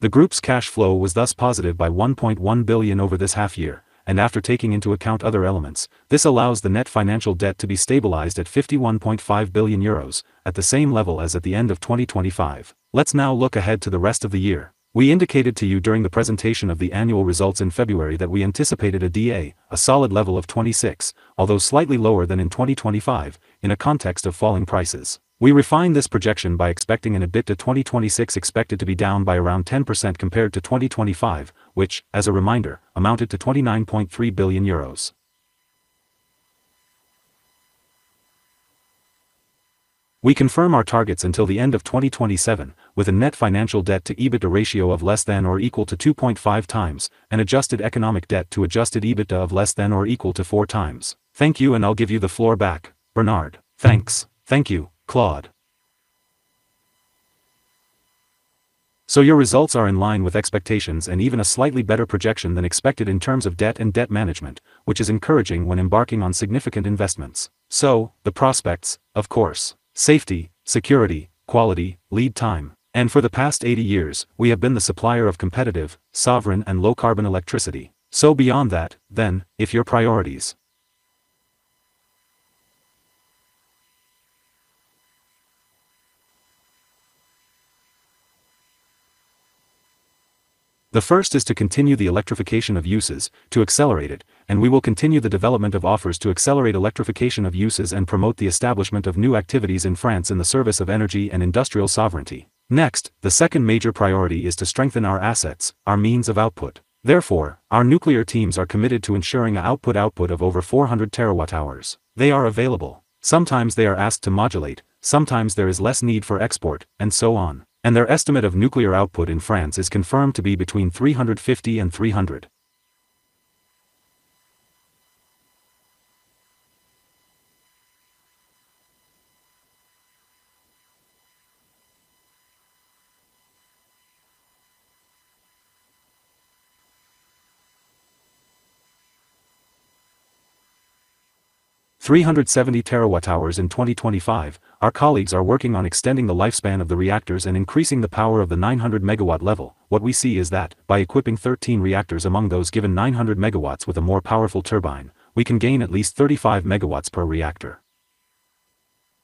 The group's cash flow was thus positive by 1.1 billion over this half year, and after taking into account other elements, this allows the net financial debt to be stabilized at 51.5 billion euros, at the same level as at the end of 2025. Let's now look ahead to the rest of the year. We indicated to you during the presentation of the annual results in February that we anticipated an EBITDA, a solid level for 2026, although slightly lower than in 2025, in a context of falling prices. We refined this projection by expecting an EBITDA 2026 expected to be down by around 10% compared to 2025, which, as a reminder, amounted to 29.3 billion euros. We confirm our targets until the end of 2027 with a net financial debt to EBITDA ratio of less than or equal to 2.5x, and adjusted economic debt to adjusted EBITDA of less than or equal to 4x. Thank you, and I'll give you the floor back, Bernard. Thanks. Thank you, Claude. Your results are in line with expectations and even a slightly better projection than expected in terms of debt and debt management, which is encouraging when embarking on significant investments. The prospects, of course. Safety, security, quality, lead time. For the past 80 years, we have been the supplier of competitive, sovereign and low-carbon electricity. Beyond that, then, if your priorities. The first is to continue the electrification of uses, to accelerate it. We will continue the development of offers to accelerate electrification of uses and promote the establishment of new activities in France in the service of energy and industrial sovereignty. Next, the second major priority is to strengthen our assets, our means of output. Therefore, our nuclear teams are committed to ensuring a output of over 400 TWh. They are available. Sometimes they are asked to modulate, sometimes there is less need for export, and so on. Their estimate of nuclear output in France is confirmed to be between 350 TWh and 370 TWh in 2025. Our colleagues are working on extending the lifespan of the reactors and increasing the power of the 900 MW level. What we see is that by equipping 13 reactors among those given 900 MW with a more powerful turbine, we can gain at least 35 MW per reactor.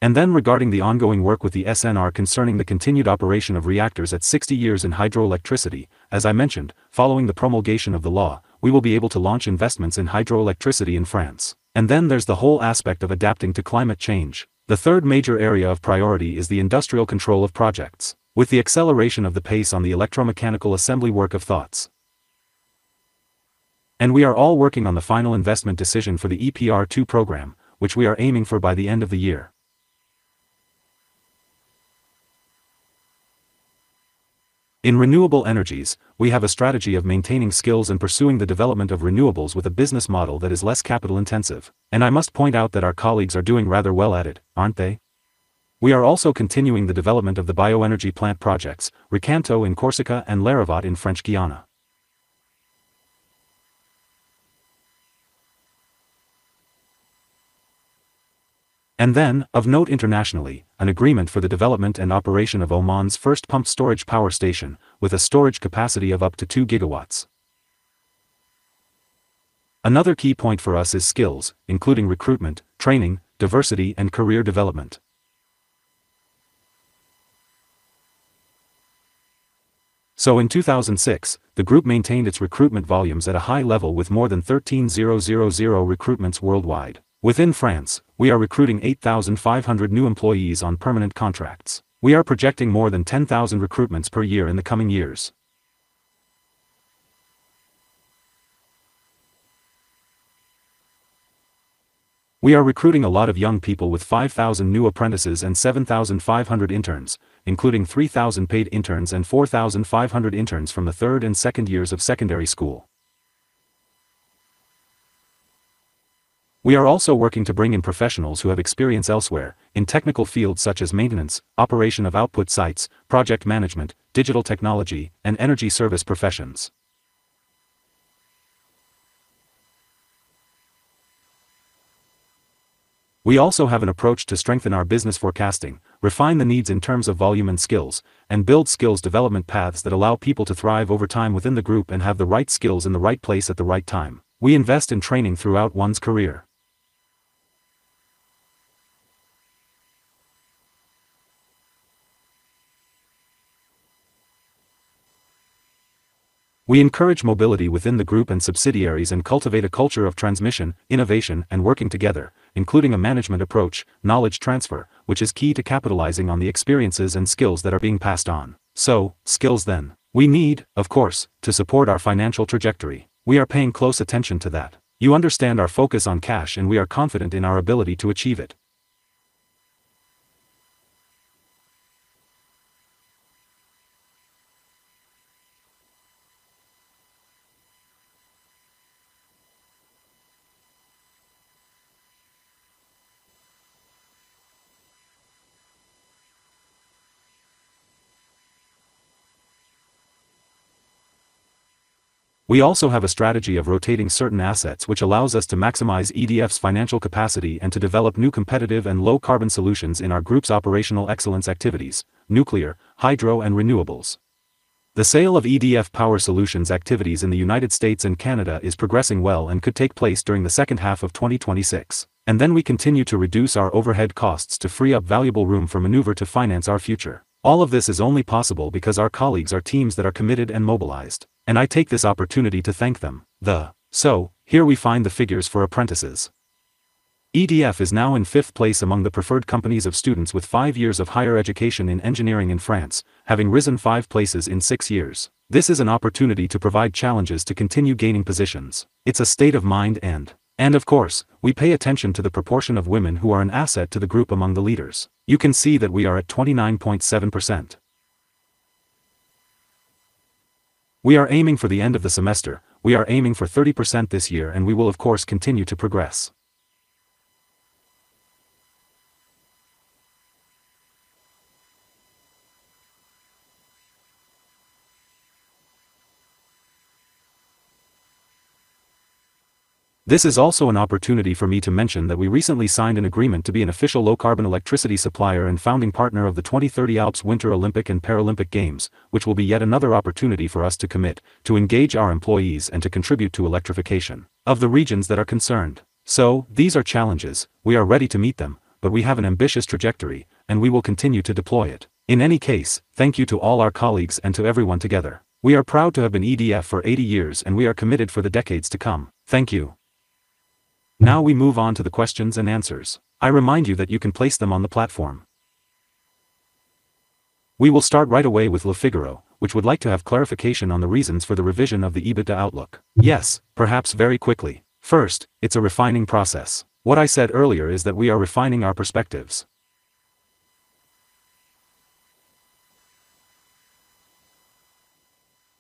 Regarding the ongoing work with the ASNR concerning the continued operation of reactors at 60 years in hydroelectricity, as I mentioned, following the promulgation of the law, we will be able to launch investments in hydroelectricity in France. There's the whole aspect of adapting to climate change. The third major area of priority is the industrial control of projects. With the acceleration of the pace on the electromechanical assembly work of thoughts. We are all working on the final investment decision for the EPR2 program, which we are aiming for by the end of the year. In renewable energies, we have a strategy of maintaining skills and pursuing the development of renewables with a business model that is less capital-intensive. I must point out that our colleagues are doing rather well at it, aren't they? We are also continuing the development of the bioenergy plant projects, Ricanto in Corsica and Larivot in French Guiana. Of note internationally, an agreement for the development and operation of Oman's first pumped storage power station, with a storage capacity of up to 2 GW. Another key point for us is skills, including recruitment, training, diversity and career development. In 2006, the group maintained its recruitment volumes at a high level with more than 13,000 recruitments worldwide. Within France, we are recruiting 8,500 new employees on permanent contracts. We are projecting more than 10,000 recruitments per year in the coming years. We are recruiting a lot of young people with 5,000 new apprentices and 7,500 interns, including 3,000 paid interns and 4,500 interns from the third and second years of secondary school. We are also working to bring in professionals who have experience elsewhere, in technical fields such as maintenance, operation of output sites, project management, digital technology, and energy service professions. We also have an approach to strengthen our business forecasting, refine the needs in terms of volume and skills, and build skills development paths that allow people to thrive over time within the group and have the right skills in the right place at the right time. We invest in training throughout one's career. We encourage mobility within the group and subsidiaries and cultivate a culture of transmission, innovation and working together, including a management approach, knowledge transfer, which is key to capitalizing on the experiences and skills that are being passed on. Skills then. We need, of course, to support our financial trajectory. We are paying close attention to that. You understand our focus on cash and we are confident in our ability to achieve it. We also have a strategy of rotating certain assets which allows us to maximize EDF's financial capacity and to develop new competitive and low-carbon solutions in our group's operational excellence activities: nuclear, hydro and renewables. The sale of EDF Power Solutions activities in the U.S. and Canada is progressing well and could take place during the second half of 2026. We continue to reduce our overhead costs to free up valuable room for maneuver to finance our future. All of this is only possible because our colleagues are teams that are committed and mobilized. I take this opportunity to thank them. Here we find the figures for apprentices. EDF is now in fifth place among the preferred companies of students with five years of higher education in engineering in France, having risen five places in six years. This is an opportunity to provide challenges to continue gaining positions. It's a state of mind. Of course, we pay attention to the proportion of women who are an asset to the group among the leaders. You can see that we are at 29.7%. We are aiming for the end of the semester, we are aiming for 30% this year, and we will of course continue to progress. This is also an opportunity for me to mention that we recently signed an agreement to be an official low-carbon electricity supplier and founding partner of the 2030 Alps Winter Olympic and Paralympic Games, which will be yet another opportunity for us to commit, to engage our employees, and to contribute to the electrification of the regions that are concerned. These are challenges. We are ready to meet them, but we have an ambitious trajectory, and we will continue to deploy it. In any case, thank you to all our colleagues and to everyone together. We are proud to have been EDF for 80 years, and we are committed for the decades to come. Thank you. Now we move on to the questions and answers. I remind you that you can place them on the platform. We will start right away with Le Figaro, which would like to have clarification on the reasons for the revision of the EBITDA outlook. Yes, perhaps very quickly. First, it's a refining process. What I said earlier is that we are refining our perspectives.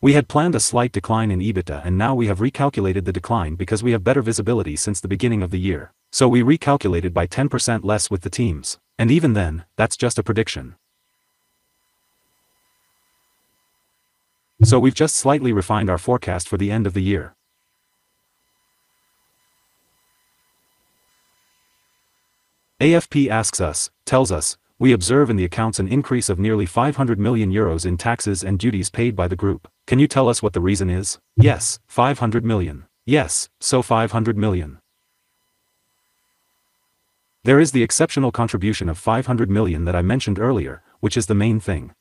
We had planned a slight decline in EBITDA, and now we have recalculated the decline because we have better visibility since the beginning of the year. We recalculated by 10% less with the teams. Even then, that's just a prediction. We've just slightly refined our forecast for the end of the year. AFP asks us, tells us, we observe in the accounts an increase of nearly 500 million euros in taxes and duties paid by the group. Can you tell us what the reason is? Yes, 500 million. Yes, 500 million. There is the exceptional contribution of 500 million that I mentioned earlier, which is the main thing.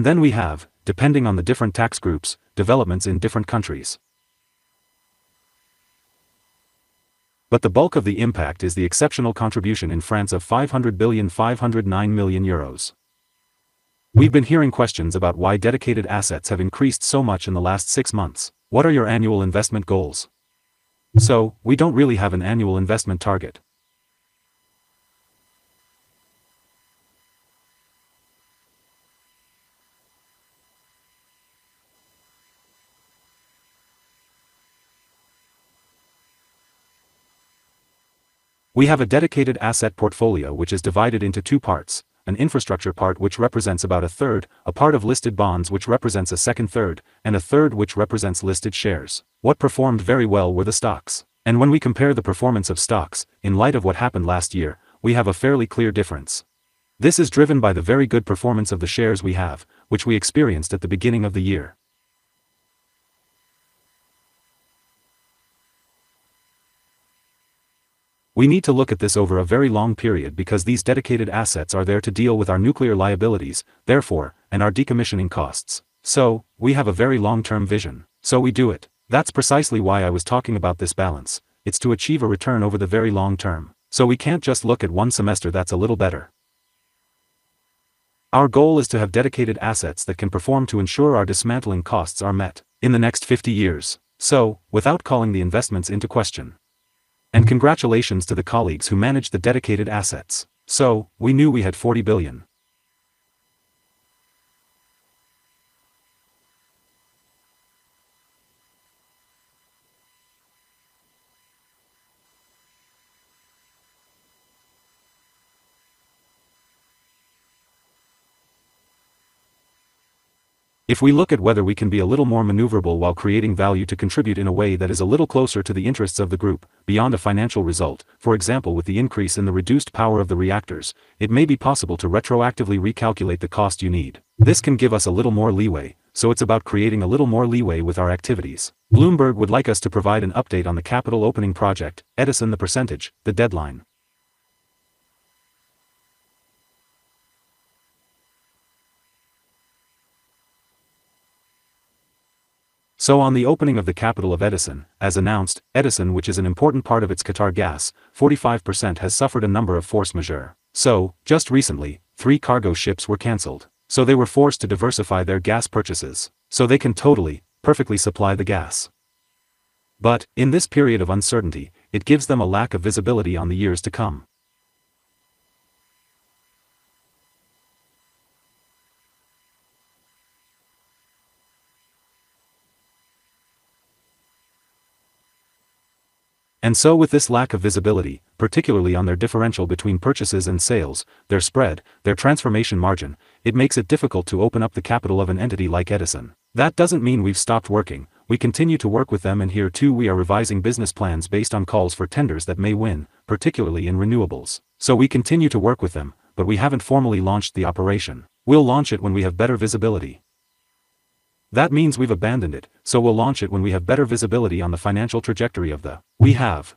Then we have, depending on the different tax groups, developments in different countries. But the bulk of the impact is the exceptional contribution in France of 500,509,000,000. We have been hearing questions about why dedicated assets have increased so much in the last six months. What are your annual investment goals? We do not really have an annual investment target. We have a dedicated asset portfolio which is divided into two parts: an infrastructure part which represents about a third, a part of listed bonds which represents a second third, and a third which represents listed shares. What performed very well were the stocks. When we compare the performance of stocks in light of what happened last year, we have a fairly clear difference. This is driven by the very good performance of the shares we have, which we experienced at the beginning of the year. We need to look at this over a very long period because these dedicated assets are there to deal with our nuclear liabilities, therefore, and our decommissioning costs. We have a very long-term vision, so we do it. That is precisely why I was talking about this balance. It is to achieve a return over the very long term. We cannot just look at one semester that is a little better. Our goal is to have dedicated assets that can perform to ensure our dismantling costs are met in the next 50 years. Without calling the investments into question, and congratulations to the colleagues who manage the dedicated assets. We knew we had 40 billion. If we look at whether we can be a little more maneuverable while creating value to contribute in a way that is a little closer to the interests of the group, beyond a financial result, for example, with the increase in the reduced power of the reactors, it may be possible to retroactively recalculate the cost you need. This can give us a little more leeway, so it is about creating a little more leeway with our activities. Bloomberg would like us to provide an update on the capital opening project, Edison, the percentage, the deadline. On the opening of the capital of Edison, as announced, Edison, which is an important part of its Qatar gas, 45% has suffered a number of force majeure. Just recently, three cargo ships were canceled, so they were forced to diversify their gas purchases so they can totally, perfectly supply the gas. But in this period of uncertainty, it gives them a lack of visibility on the years to come. With this lack of visibility, particularly on their differential between purchases and sales, their spread, their transformation margin, it makes it difficult to open up the capital of an entity like Edison. That does not mean we have stopped working. We continue to work with them, and here too we are revising business plans based on calls for tenders that may win, particularly in renewables. We continue to work with them, but we have not formally launched the operation. We will launch it when we have better visibility. That means we've abandoned it, we'll launch it when we have better visibility on the financial trajectory of the- We have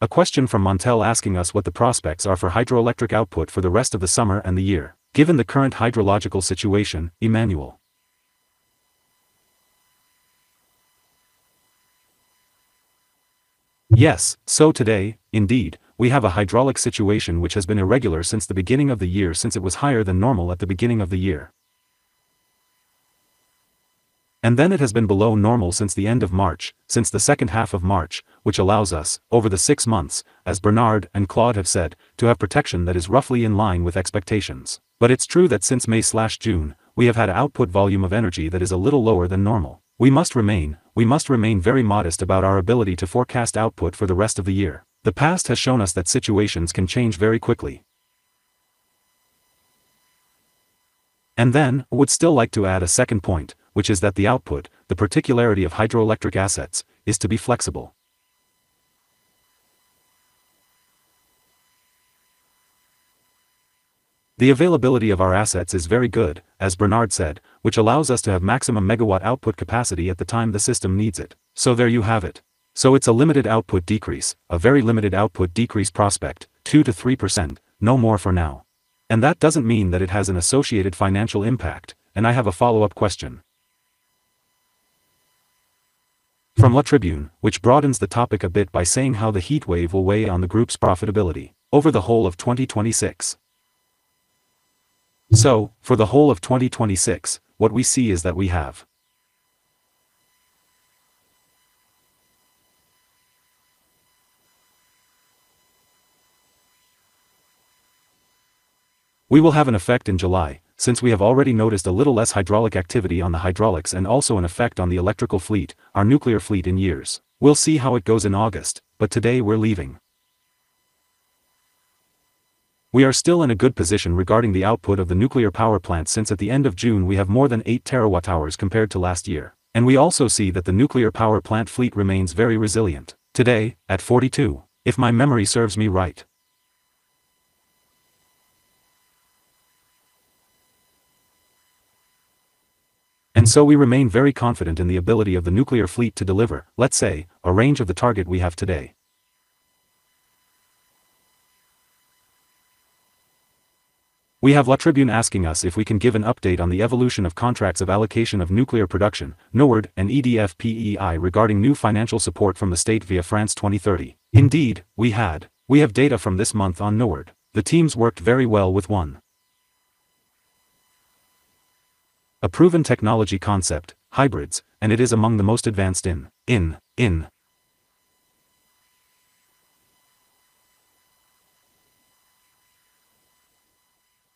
a question from Montel asking us what the prospects are for hydroelectric output for the rest of the summer and the year, given the current hydrological situation. Emmanuelle. Yes. Today, indeed, we have a hydraulic situation which has been irregular since the beginning of the year, since it was higher than normal at the beginning of the year. Then it has been below normal since the end of March, since the second half of March, which allows us, over the six months, as Bernard and Claude have said, to have protection that is roughly in line with expectations. It's true that since May/June, we have had output volume of energy that is a little lower than normal. We must remain very modest about our ability to forecast output for the rest of the year. The past has shown us that situations can change very quickly. Then, I would still like to add a second point, which is that the output, the particularity of hydroelectric assets, is to be flexible. The availability of our assets is very good, as Bernard said, which allows us to have maximum megawatt output capacity at the time the system needs it. There you have it. It's a limited output decrease, a very limited output decrease prospect, 2%-3%, no more for now. That doesn't mean that it has an associated financial impact, I have a follow-up question. From La Tribune, which broadens the topic a bit by saying how the heatwave will weigh on the group's profitability over the whole of 2026. For the whole of 2026, what we see is that we will have an effect in July, since we have already noticed a little less hydraulic activity on the hydraulics and also an effect on the electrical fleet, our nuclear fleet in years. We'll see how it goes in August, but today we're leaving. We are still in a good position regarding the output of the nuclear power plant since at the end of June we have more than eight terawatt-hours compared to last year. We also see that the nuclear power plant fleet remains very resilient. Today, at 42. If my memory serves me right. We remain very confident in the ability of the nuclear fleet to deliver, let's say, a range of the target we have today. We have La Tribune asking us if we can give an update on the evolution of Nuclear Power Production Allocation Contract, NUWARD and EDF PEI regarding new financial support from the state via France 2030. Indeed, we have data from this month on NUWARD. The teams worked very well with a proven technology concept, hybrids, and it is among the most advanced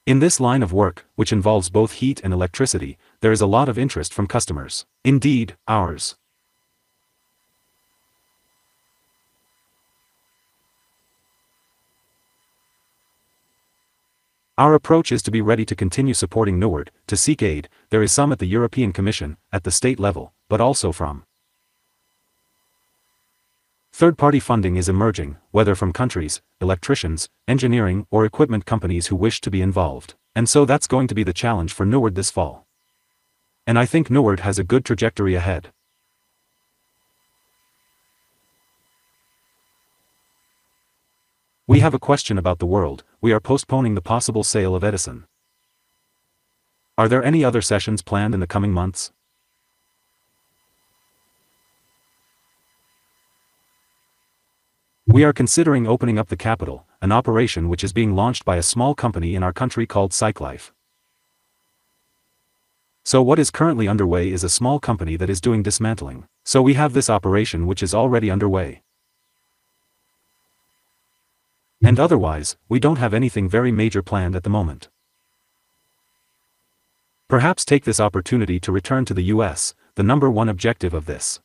in this line of work, which involves both heat and electricity, there is a lot of interest from customers. Indeed, our approach is to be ready to continue supporting NUWARD, to seek aid, there is some at the European Commission, at the state level, but also from third-party funding is emerging, whether from countries, electricians, engineering or equipment companies who wish to be involved. That's going to be the challenge for NUWARD this fall. I think NUWARD has a good trajectory ahead. We have a question about the world, we are postponing the possible sale of Edison. Are there any other sessions planned in the coming months? We are considering opening up the capital, an operation which is being launched by a small company in our country called Cyclife. So what is currently underway is a small company that is doing dismantling. Otherwise, we don't have anything very major planned at the moment. Perhaps take this opportunity to return to the U.S., the number one objective of this.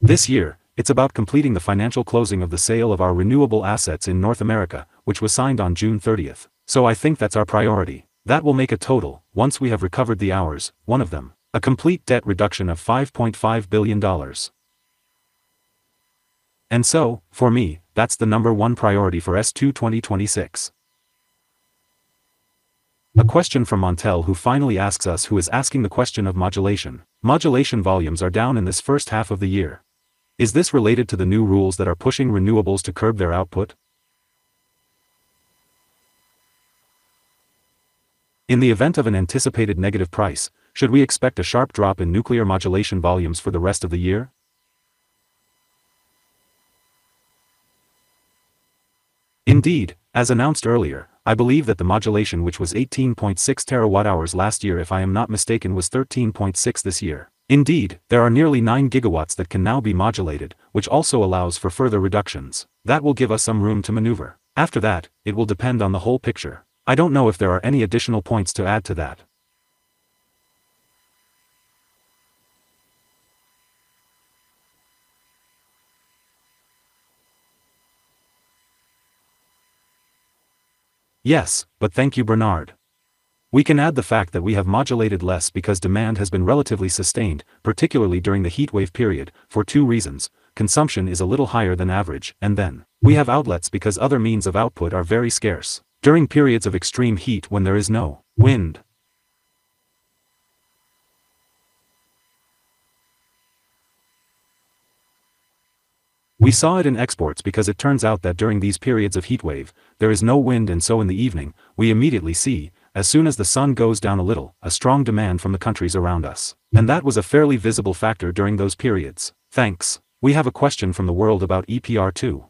This year, it's about completing the financial closing of the sale of our renewable assets in North America, which was signed on June 30th. So I think that's our priority. That will make a total, once we have recovered the hours, one of them. A complete debt reduction of $5.5 billion. So, for me, that's the number one priority for S2 2026. A question from Montel who finally asks us who is asking the question of modulation. Modulation volumes are down in this first half of the year. Is this related to the new rules that are pushing renewables to curb their output? In the event of an anticipated negative price, should we expect a sharp drop in nuclear modulation volumes for the rest of the year? Indeed, as announced earlier, I believe that the modulation which was 18.6 TWh last year if I am not mistaken was 13.6 TWh this year. Indeed, there are nearly 9 GW that can now be modulated, which also allows for further reductions. That will give us some room to maneuver. After that, it will depend on the whole picture. I don't know if there are any additional points to add to that. Yes, but thank you Bernard. We can add the fact that we have modulated less because demand has been relatively sustained, particularly during the heatwave period, for two reasons: consumption is a little higher than average, then we have outlets because other means of output are very scarce. During periods of extreme heat when there is no wind. We saw it in exports because it turns out that during these periods of heatwave, there is no wind, so in the evening, we immediately see, as soon as the sun goes down a little, a strong demand from the countries around us. That was a fairly visible factor during those periods. Thanks. We have a question from the world about EPR2.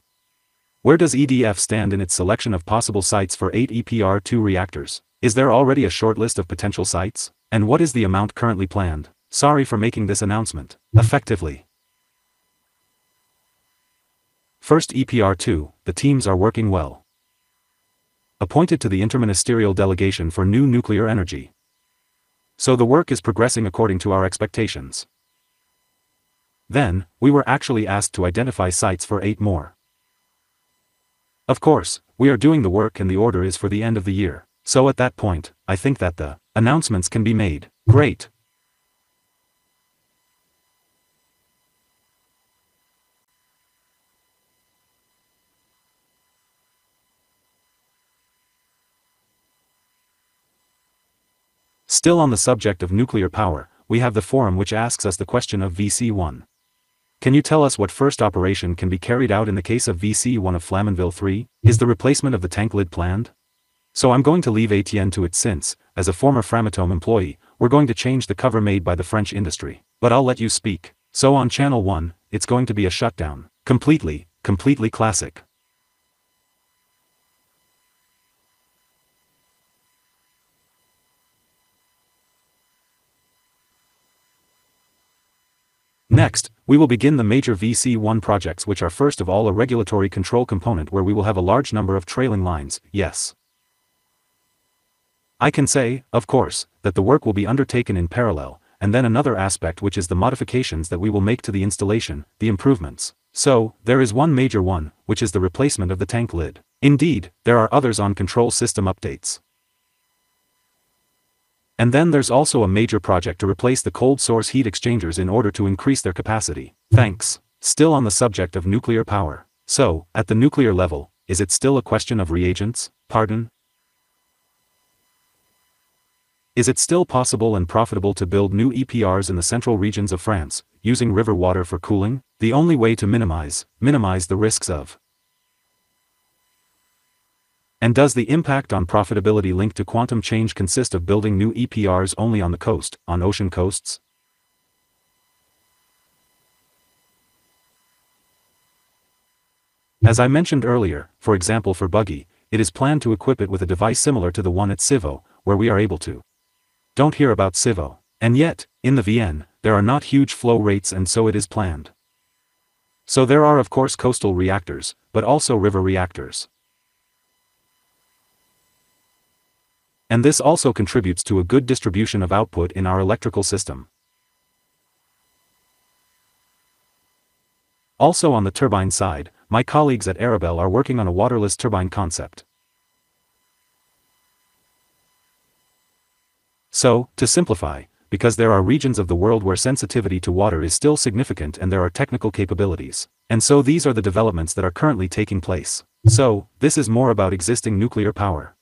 Where does EDF stand in its selection of possible sites for eight EPR2 reactors? Is there already a shortlist of potential sites? What is the amount currently planned? Sorry for making this announcement. Effectively. First EPR2, the teams are working well. Appointed to the Interministerial Delegation for New Nuclear Energy. So the work is progressing according to our expectations. Then, we were actually asked to identify sites for 8 more. Of course, we are doing the work and the order is for the end of the year. So at that point, I think that the announcements can be made. Great. Still on the subject of nuclear power, we have the forum which asks us the question of VC1. Can you tell us what first operation can be carried out in the case of VC1 of Flamanville 3? Is the replacement of the tank lid planned? I'm going to leave Etienne to it since, as a former Framatome employee, we're going to change the cover made by the French industry. I'll let you speak. On channel one, it's going to be a shutdown. Completely classic. We will begin the major VC1 projects which are first of all a regulatory control component where we will have a large number of trailing lines. Yes. I can say, of course, that the work will be undertaken in parallel. Another aspect which is the modifications that we will make to the installation, the improvements. There is one major one, which is the replacement of the tank lid. Indeed, there are others on control system updates. There is also a major project to replace the cold source heat exchangers in order to increase their capacity. Thanks. Still on the subject of nuclear power. At the nuclear level, is it still a question of reactors? Pardon? Is it still possible and profitable to build new EPRs in the central regions of France, using river water for cooling? The only way to minimize the risks of Does the impact on profitability linked to quantum change consist of building new EPRs only on the coast, on ocean coasts? As I mentioned earlier, for example for Bugey, it is planned to equip it with a device similar to the one at Civaux, where we are able to, don't hear about Civaux. Yet, in the Vienne, there are not huge flow rates. It is planned. There are of course coastal reactors, but also river reactors. This also contributes to a good distribution of output in our electrical system. On the turbine side, my colleagues at Arabelle Solutions are working on a waterless turbine concept. To simplify, because there are regions of the world where sensitivity to water is still significant and there are technical capabilities. These are the developments that are currently taking place. This is more about existing nuclear power.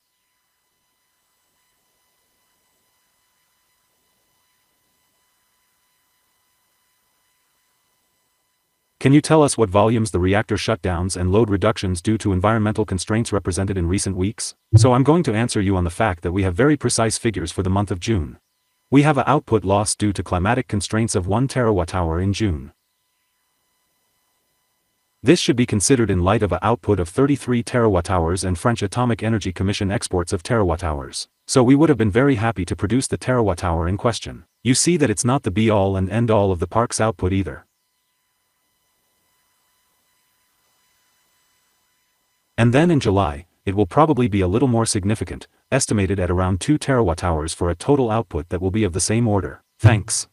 Can you tell us what volumes the reactor shutdowns and load reductions due to environmental constraints represented in recent weeks? I'm going to answer you on the fact that we have very precise figures for the month of June. We have an output loss due to climatic constraints of 1 TWh in June. This should be considered in light of an output of 33 TWh and French Alternative Energies and Atomic Energy Commission exports of terawatt-hours. We would have been very happy to produce the terawatt-hour in question. You see that it's not the be-all and end-all of the park's output either. In July, it will probably be a little more significant, estimated at around 2 TWh for a total output that will be of the same order. Thanks.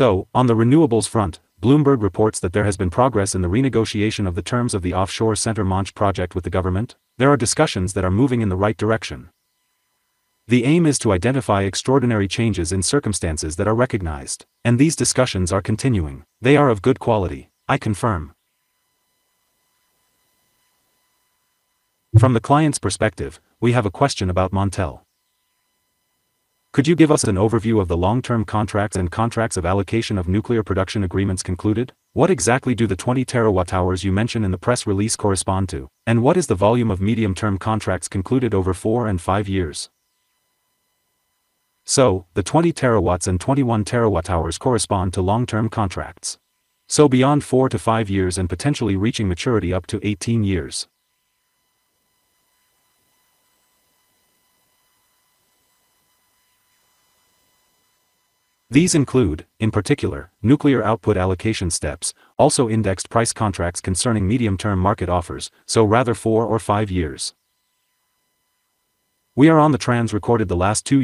On the renewables front, Bloomberg reports that there has been progress in the renegotiation of the terms of the offshore Centre Manche 1 project with the government? There are discussions that are moving in the right direction. The aim is to identify extraordinary changes in circumstances that are recognized. These discussions are continuing. They are of good quality. I confirm. From the client's perspective, we have a question about Montel. Could you give us an overview of the long-term contracts and Nuclear Power Production Allocation Contract agreements concluded? What exactly do the 20 TWh you mention in the press release correspond to? What is the volume of medium-term contracts concluded over four and five years? The 20 TWh and 21 TWh correspond to long-term contracts. Beyond four to five years and potentially reaching maturity up to 18 years. These include, in particular, nuclear output allocation steps, also indexed price contracts concerning medium-term market offers, so rather four or five years. We are on the trans recorded the last two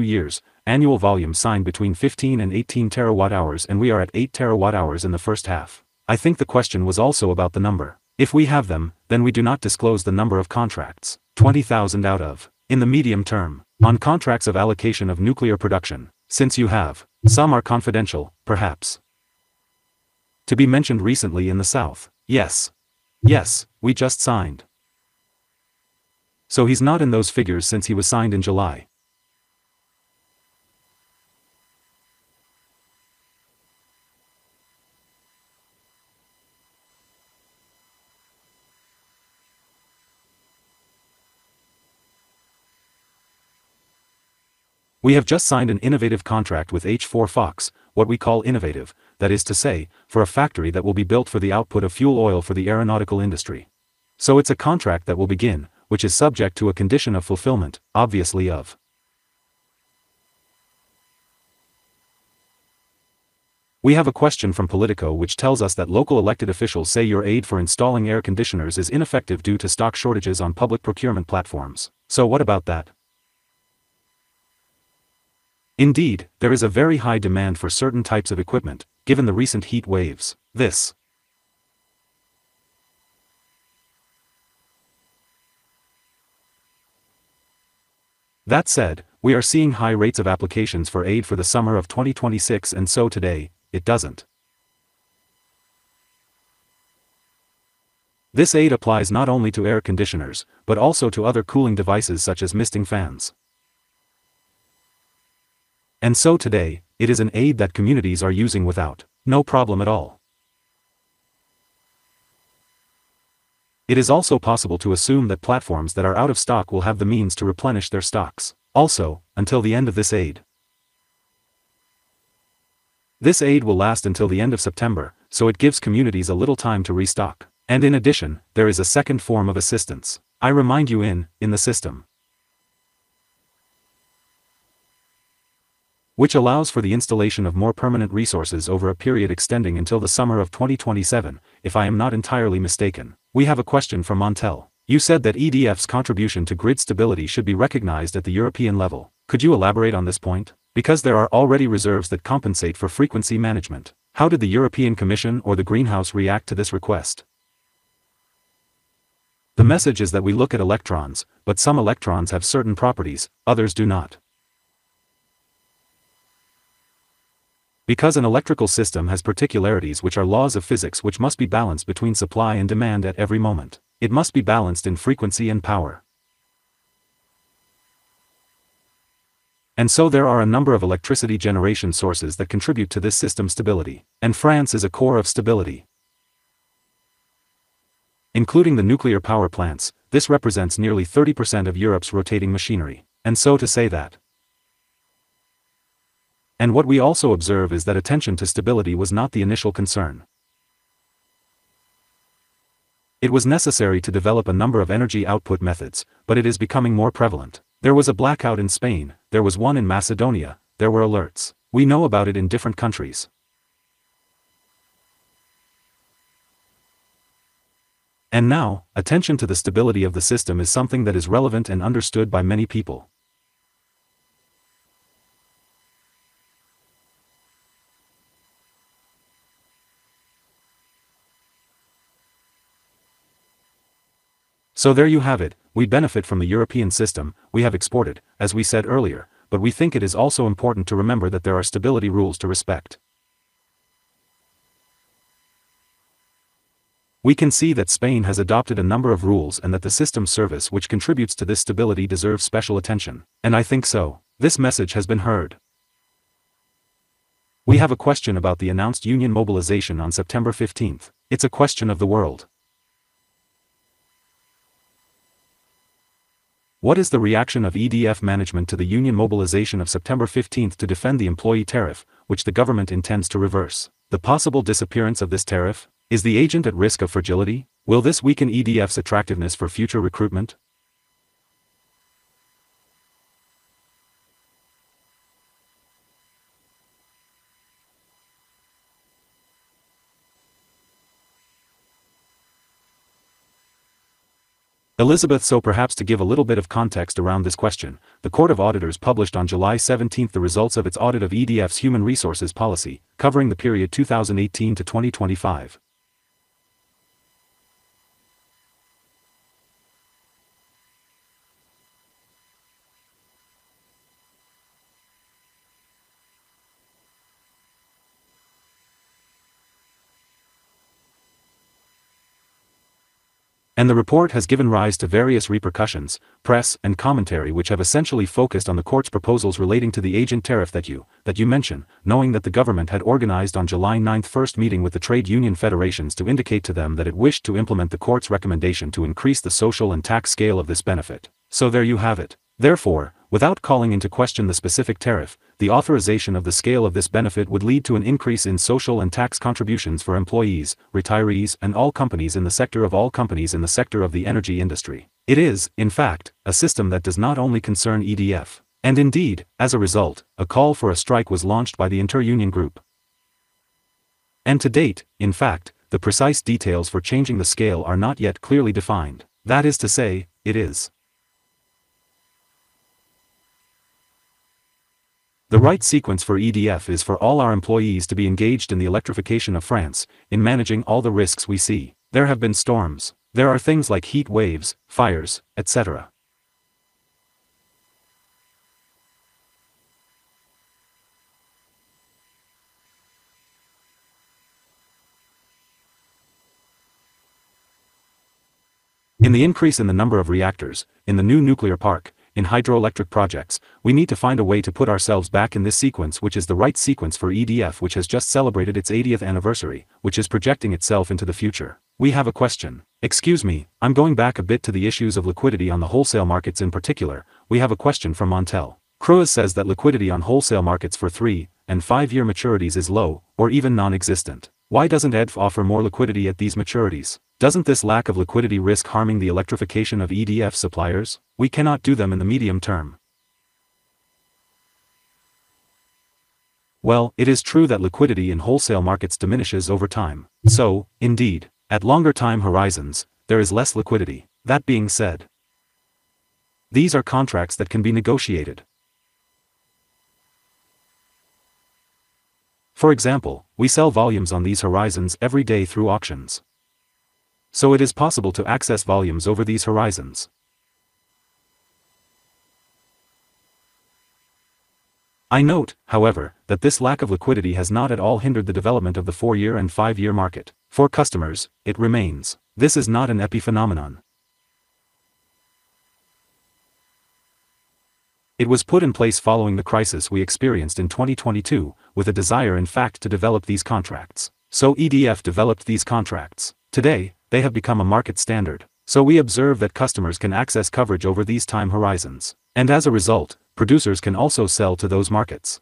years, annual volumes signed between 15 TWh and 18 TWh, and we are at 8 TWh in the first half. I think the question was also about the number. If we have them, we do not disclose the number of contracts. 20,000 out of in the medium term. On Nuclear Power Production Allocation Contract. Since you have, some are confidential, perhaps. To be mentioned recently in the south. Yes. Yes, we just signed. He's not in those figures since he was signed in July. We have just signed an innovative contract with H4 Marseille Fos, what we call innovative, that is to say, for a factory that will be built for the output of fuel oil for the aeronautical industry. It's a contract that will begin, which is subject to a condition of fulfillment, obviously of. We have a question from Politico which tells us that local elected officials say your aid for installing air conditioners is ineffective due to stock shortages on public procurement platforms. What about that? Indeed, there is a very high demand for certain types of equipment, given the recent heat waves. That said, we are seeing high rates of applications for aid for the summer of 2026. Today, it doesn't. This aid applies not only to air conditioners, but also to other cooling devices such as misting fans. Today, it is an aid that communities are using without no problem at all. It is also possible to assume that platforms that are out of stock will have the means to replenish their stocks. Also, until the end of this aid. This aid will last until the end of September, it gives communities a little time to restock. In addition, there is a second form of assistance. I remind you in the system. Which allows for the installation of more permanent resources over a period extending until the summer of 2027, if I am not entirely mistaken. We have a question from Montel. You said that EDF's contribution to grid stability should be recognized at the European level. Could you elaborate on this point? There are already reserves that compensate for frequency management. How did the European Commission or Greenpeace react to this request? The message is that we look at electrons, but some electrons have certain properties, others do not. An electrical system has particularities which are laws of physics which must be balanced between supply and demand at every moment. It must be balanced in frequency and power. There are a number of electricity generation sources that contribute to this system stability. France is a core of stability. Including the nuclear power plants, this represents nearly 30% of Europe's rotating machinery. To say that. What we also observe is that attention to stability was not the initial concern. It was necessary to develop a number of energy output methods, but it is becoming more prevalent. There was a blackout in Spain, there was one in Macedonia, there were alerts. We know about it in different countries. Now, attention to the stability of the system is something that is relevant and understood by many people. There you have it, we benefit from the European system, we have exported, as we said earlier, we think it is also important to remember that there are stability rules to respect. We can see that Spain has adopted a number of rules and that the system service which contributes to this stability deserves special attention. I think so. This message has been heard. We have a question about the announced union mobilization on September 15th. It's a question of the world. What is the reaction of EDF management to the union mobilization of September 15th to defend the employee tariff, which the government intends to reverse? The possible disappearance of this tariff? Is the agent at risk of fragility? Will this weaken EDF's attractiveness for future recruitment? Elisabeth. Perhaps to give a little bit of context around this question, the Court of Auditors published on July 17th the results of its audit of EDF's human resources policy, covering the period 2018-2025. The report has given rise to various repercussions, press and commentary which have essentially focused on the Court's proposals relating to the agent tariff that you mention, knowing that the government had organized on July 9th first meeting with the trade union federations to indicate to them that it wished to implement the Court's recommendation to increase the social and tax scale of this benefit. There you have it. Therefore, without calling into question the specific tariff, the authorization of the scale of this benefit would lead to an increase in social and tax contributions for employees, retirees and all companies in the sector of the energy industry. It is, in fact, a system that does not only concern EDF. Indeed, as a result, a call for a strike was launched by the Interunion Group. To date, in fact, the precise details for changing the scale are not yet clearly defined. That is to say, the right sequence for EDF is for all our employees to be engaged in the electrification of France, in managing all the risks we see. There have been storms. There are things like heat waves, fires, etc. In the increase in the number of reactors, in the new nuclear park, in hydroelectric projects, we need to find a way to put ourselves back in this sequence which is the right sequence for EDF which has just celebrated its 80th anniversary, which is projecting itself into the future. We have a question. Excuse me, I'm going back a bit to the issues of liquidity on the wholesale markets in particular, we have a question from Montel, Cruas says that liquidity on wholesale markets for three and five-year maturities is low or even nonexistent. Why doesn't EDF offer more liquidity at these maturities? Doesn't this lack of liquidity risk harming the electrification of EDF suppliers? We cannot do them in the medium term. Well, it is true that liquidity in wholesale markets diminishes over time. Indeed, at longer time horizons, there is less liquidity. That being said, these are contracts that can be negotiated. For example, we sell volumes on these horizons every day through auctions, so it is possible to access volumes over these horizons. I note, however, that this lack of liquidity has not at all hindered the development of the four-year and five-year market. For customers, it remains. This is not an epiphenomenon. It was put in place following the crisis we experienced in 2022 with a desire in fact to develop these contracts. EDF developed these contracts. Today, they have become a market standard. We observe that customers can access coverage over these time horizons, and as a result, producers can also sell to those markets.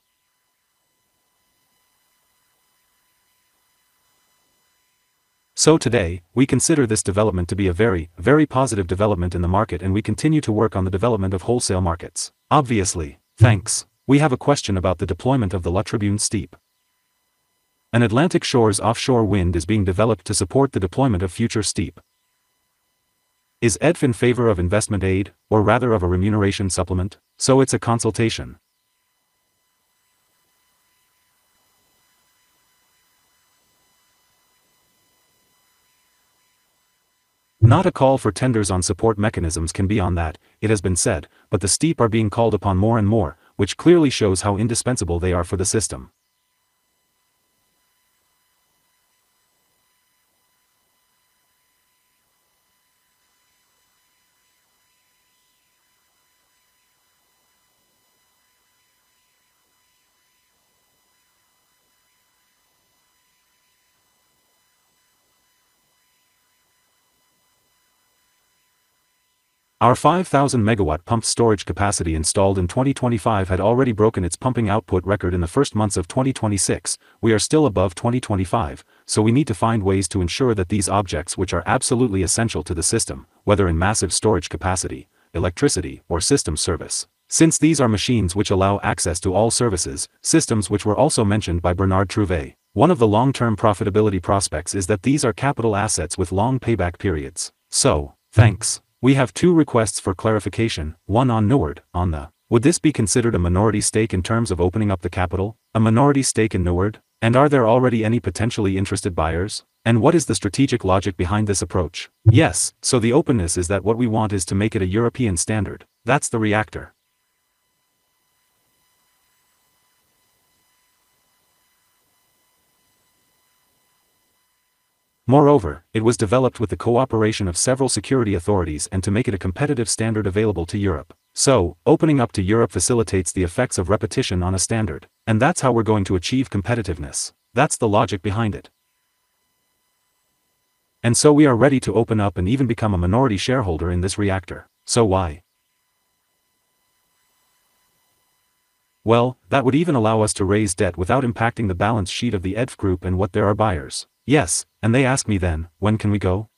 Today, we consider this development to be a very, very positive development in the market, and we continue to work on the development of wholesale markets. Obviously. Thanks. We have a question about the deployment of the La Tribune STEP. An Atlantic Shores Offshore Wind is being developed to support the deployment of future STEP. Is EDF in favor of investment aid or rather of a remuneration supplement? It's a consultation. Not a call for tenders on support mechanisms can be on that, it has been said, but the STEP are being called upon more and more, which clearly shows how indispensable they are for the system. Our 5,000 MW pumped storage capacity installed in 2025 had already broken its pumping output record in the first months of 2026. We are still above 2025, we need to find ways to ensure that these objects, which are absolutely essential to the system, whether in massive storage capacity, electricity, or system service. Since these are machines which allow access to all services, systems which were also mentioned by Bernard Fontana. One of the long-term profitability prospects is that these are capital assets with long payback periods. Thanks. We have two requests for clarification, one on NUWARD, on the Would this be considered a minority stake in terms of opening up the capital? A minority stake in NUWARD? Are there already any potentially interested buyers? What is the strategic logic behind this approach? Yes. The openness is that what we want is to make it a European standard. That's the reactor. Moreover, it was developed with the cooperation of several security authorities and to make it a competitive standard available to Europe. Opening up to Europe facilitates the effects of repetition on a standard, and that's how we're going to achieve competitiveness. That's the logic behind it. We are ready to open up and even become a minority shareholder in this reactor. Why? Well, that would even allow us to raise debt without impacting the balance sheet of the EDF Group and what there are buyers. Yes. They ask me then when can we go?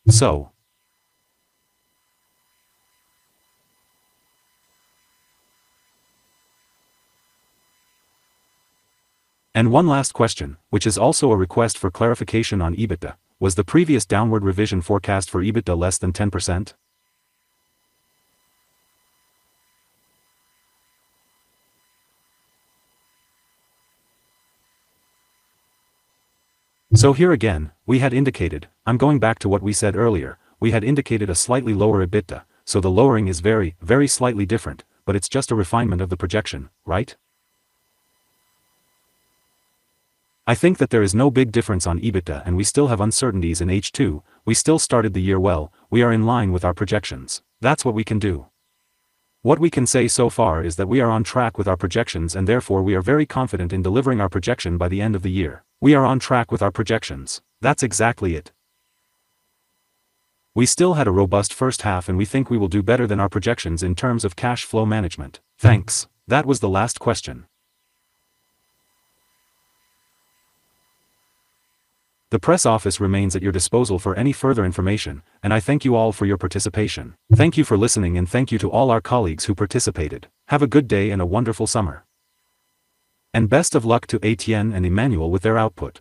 One last question, which is also a request for clarification on EBITDA. Was the previous downward revision forecast for EBITDA less than 10%? Here again, we had indicated, I'm going back to what we said earlier. We had indicated a slightly lower EBITDA, the lowering is very, very slightly different, but it's just a refinement of the projection, right? I think that there is no big difference on EBITDA, and we still have uncertainties in H2. We still started the year well. We are in line with our projections. That's what we can do. What we can say so far is that we are on track with our projections, and therefore we are very confident in delivering our projection by the end of the year. We are on track with our projections. That's exactly it. We still had a robust first half, and we think we will do better than our projections in terms of cash flow management. Thanks. That was the last question. The press office remains at your disposal for any further information, and I thank you all for your participation. Thank you for listening, and thank you to all our colleagues who participated. Have a good day and a wonderful summer. Best of luck to Etienne and Emmanuelle with their output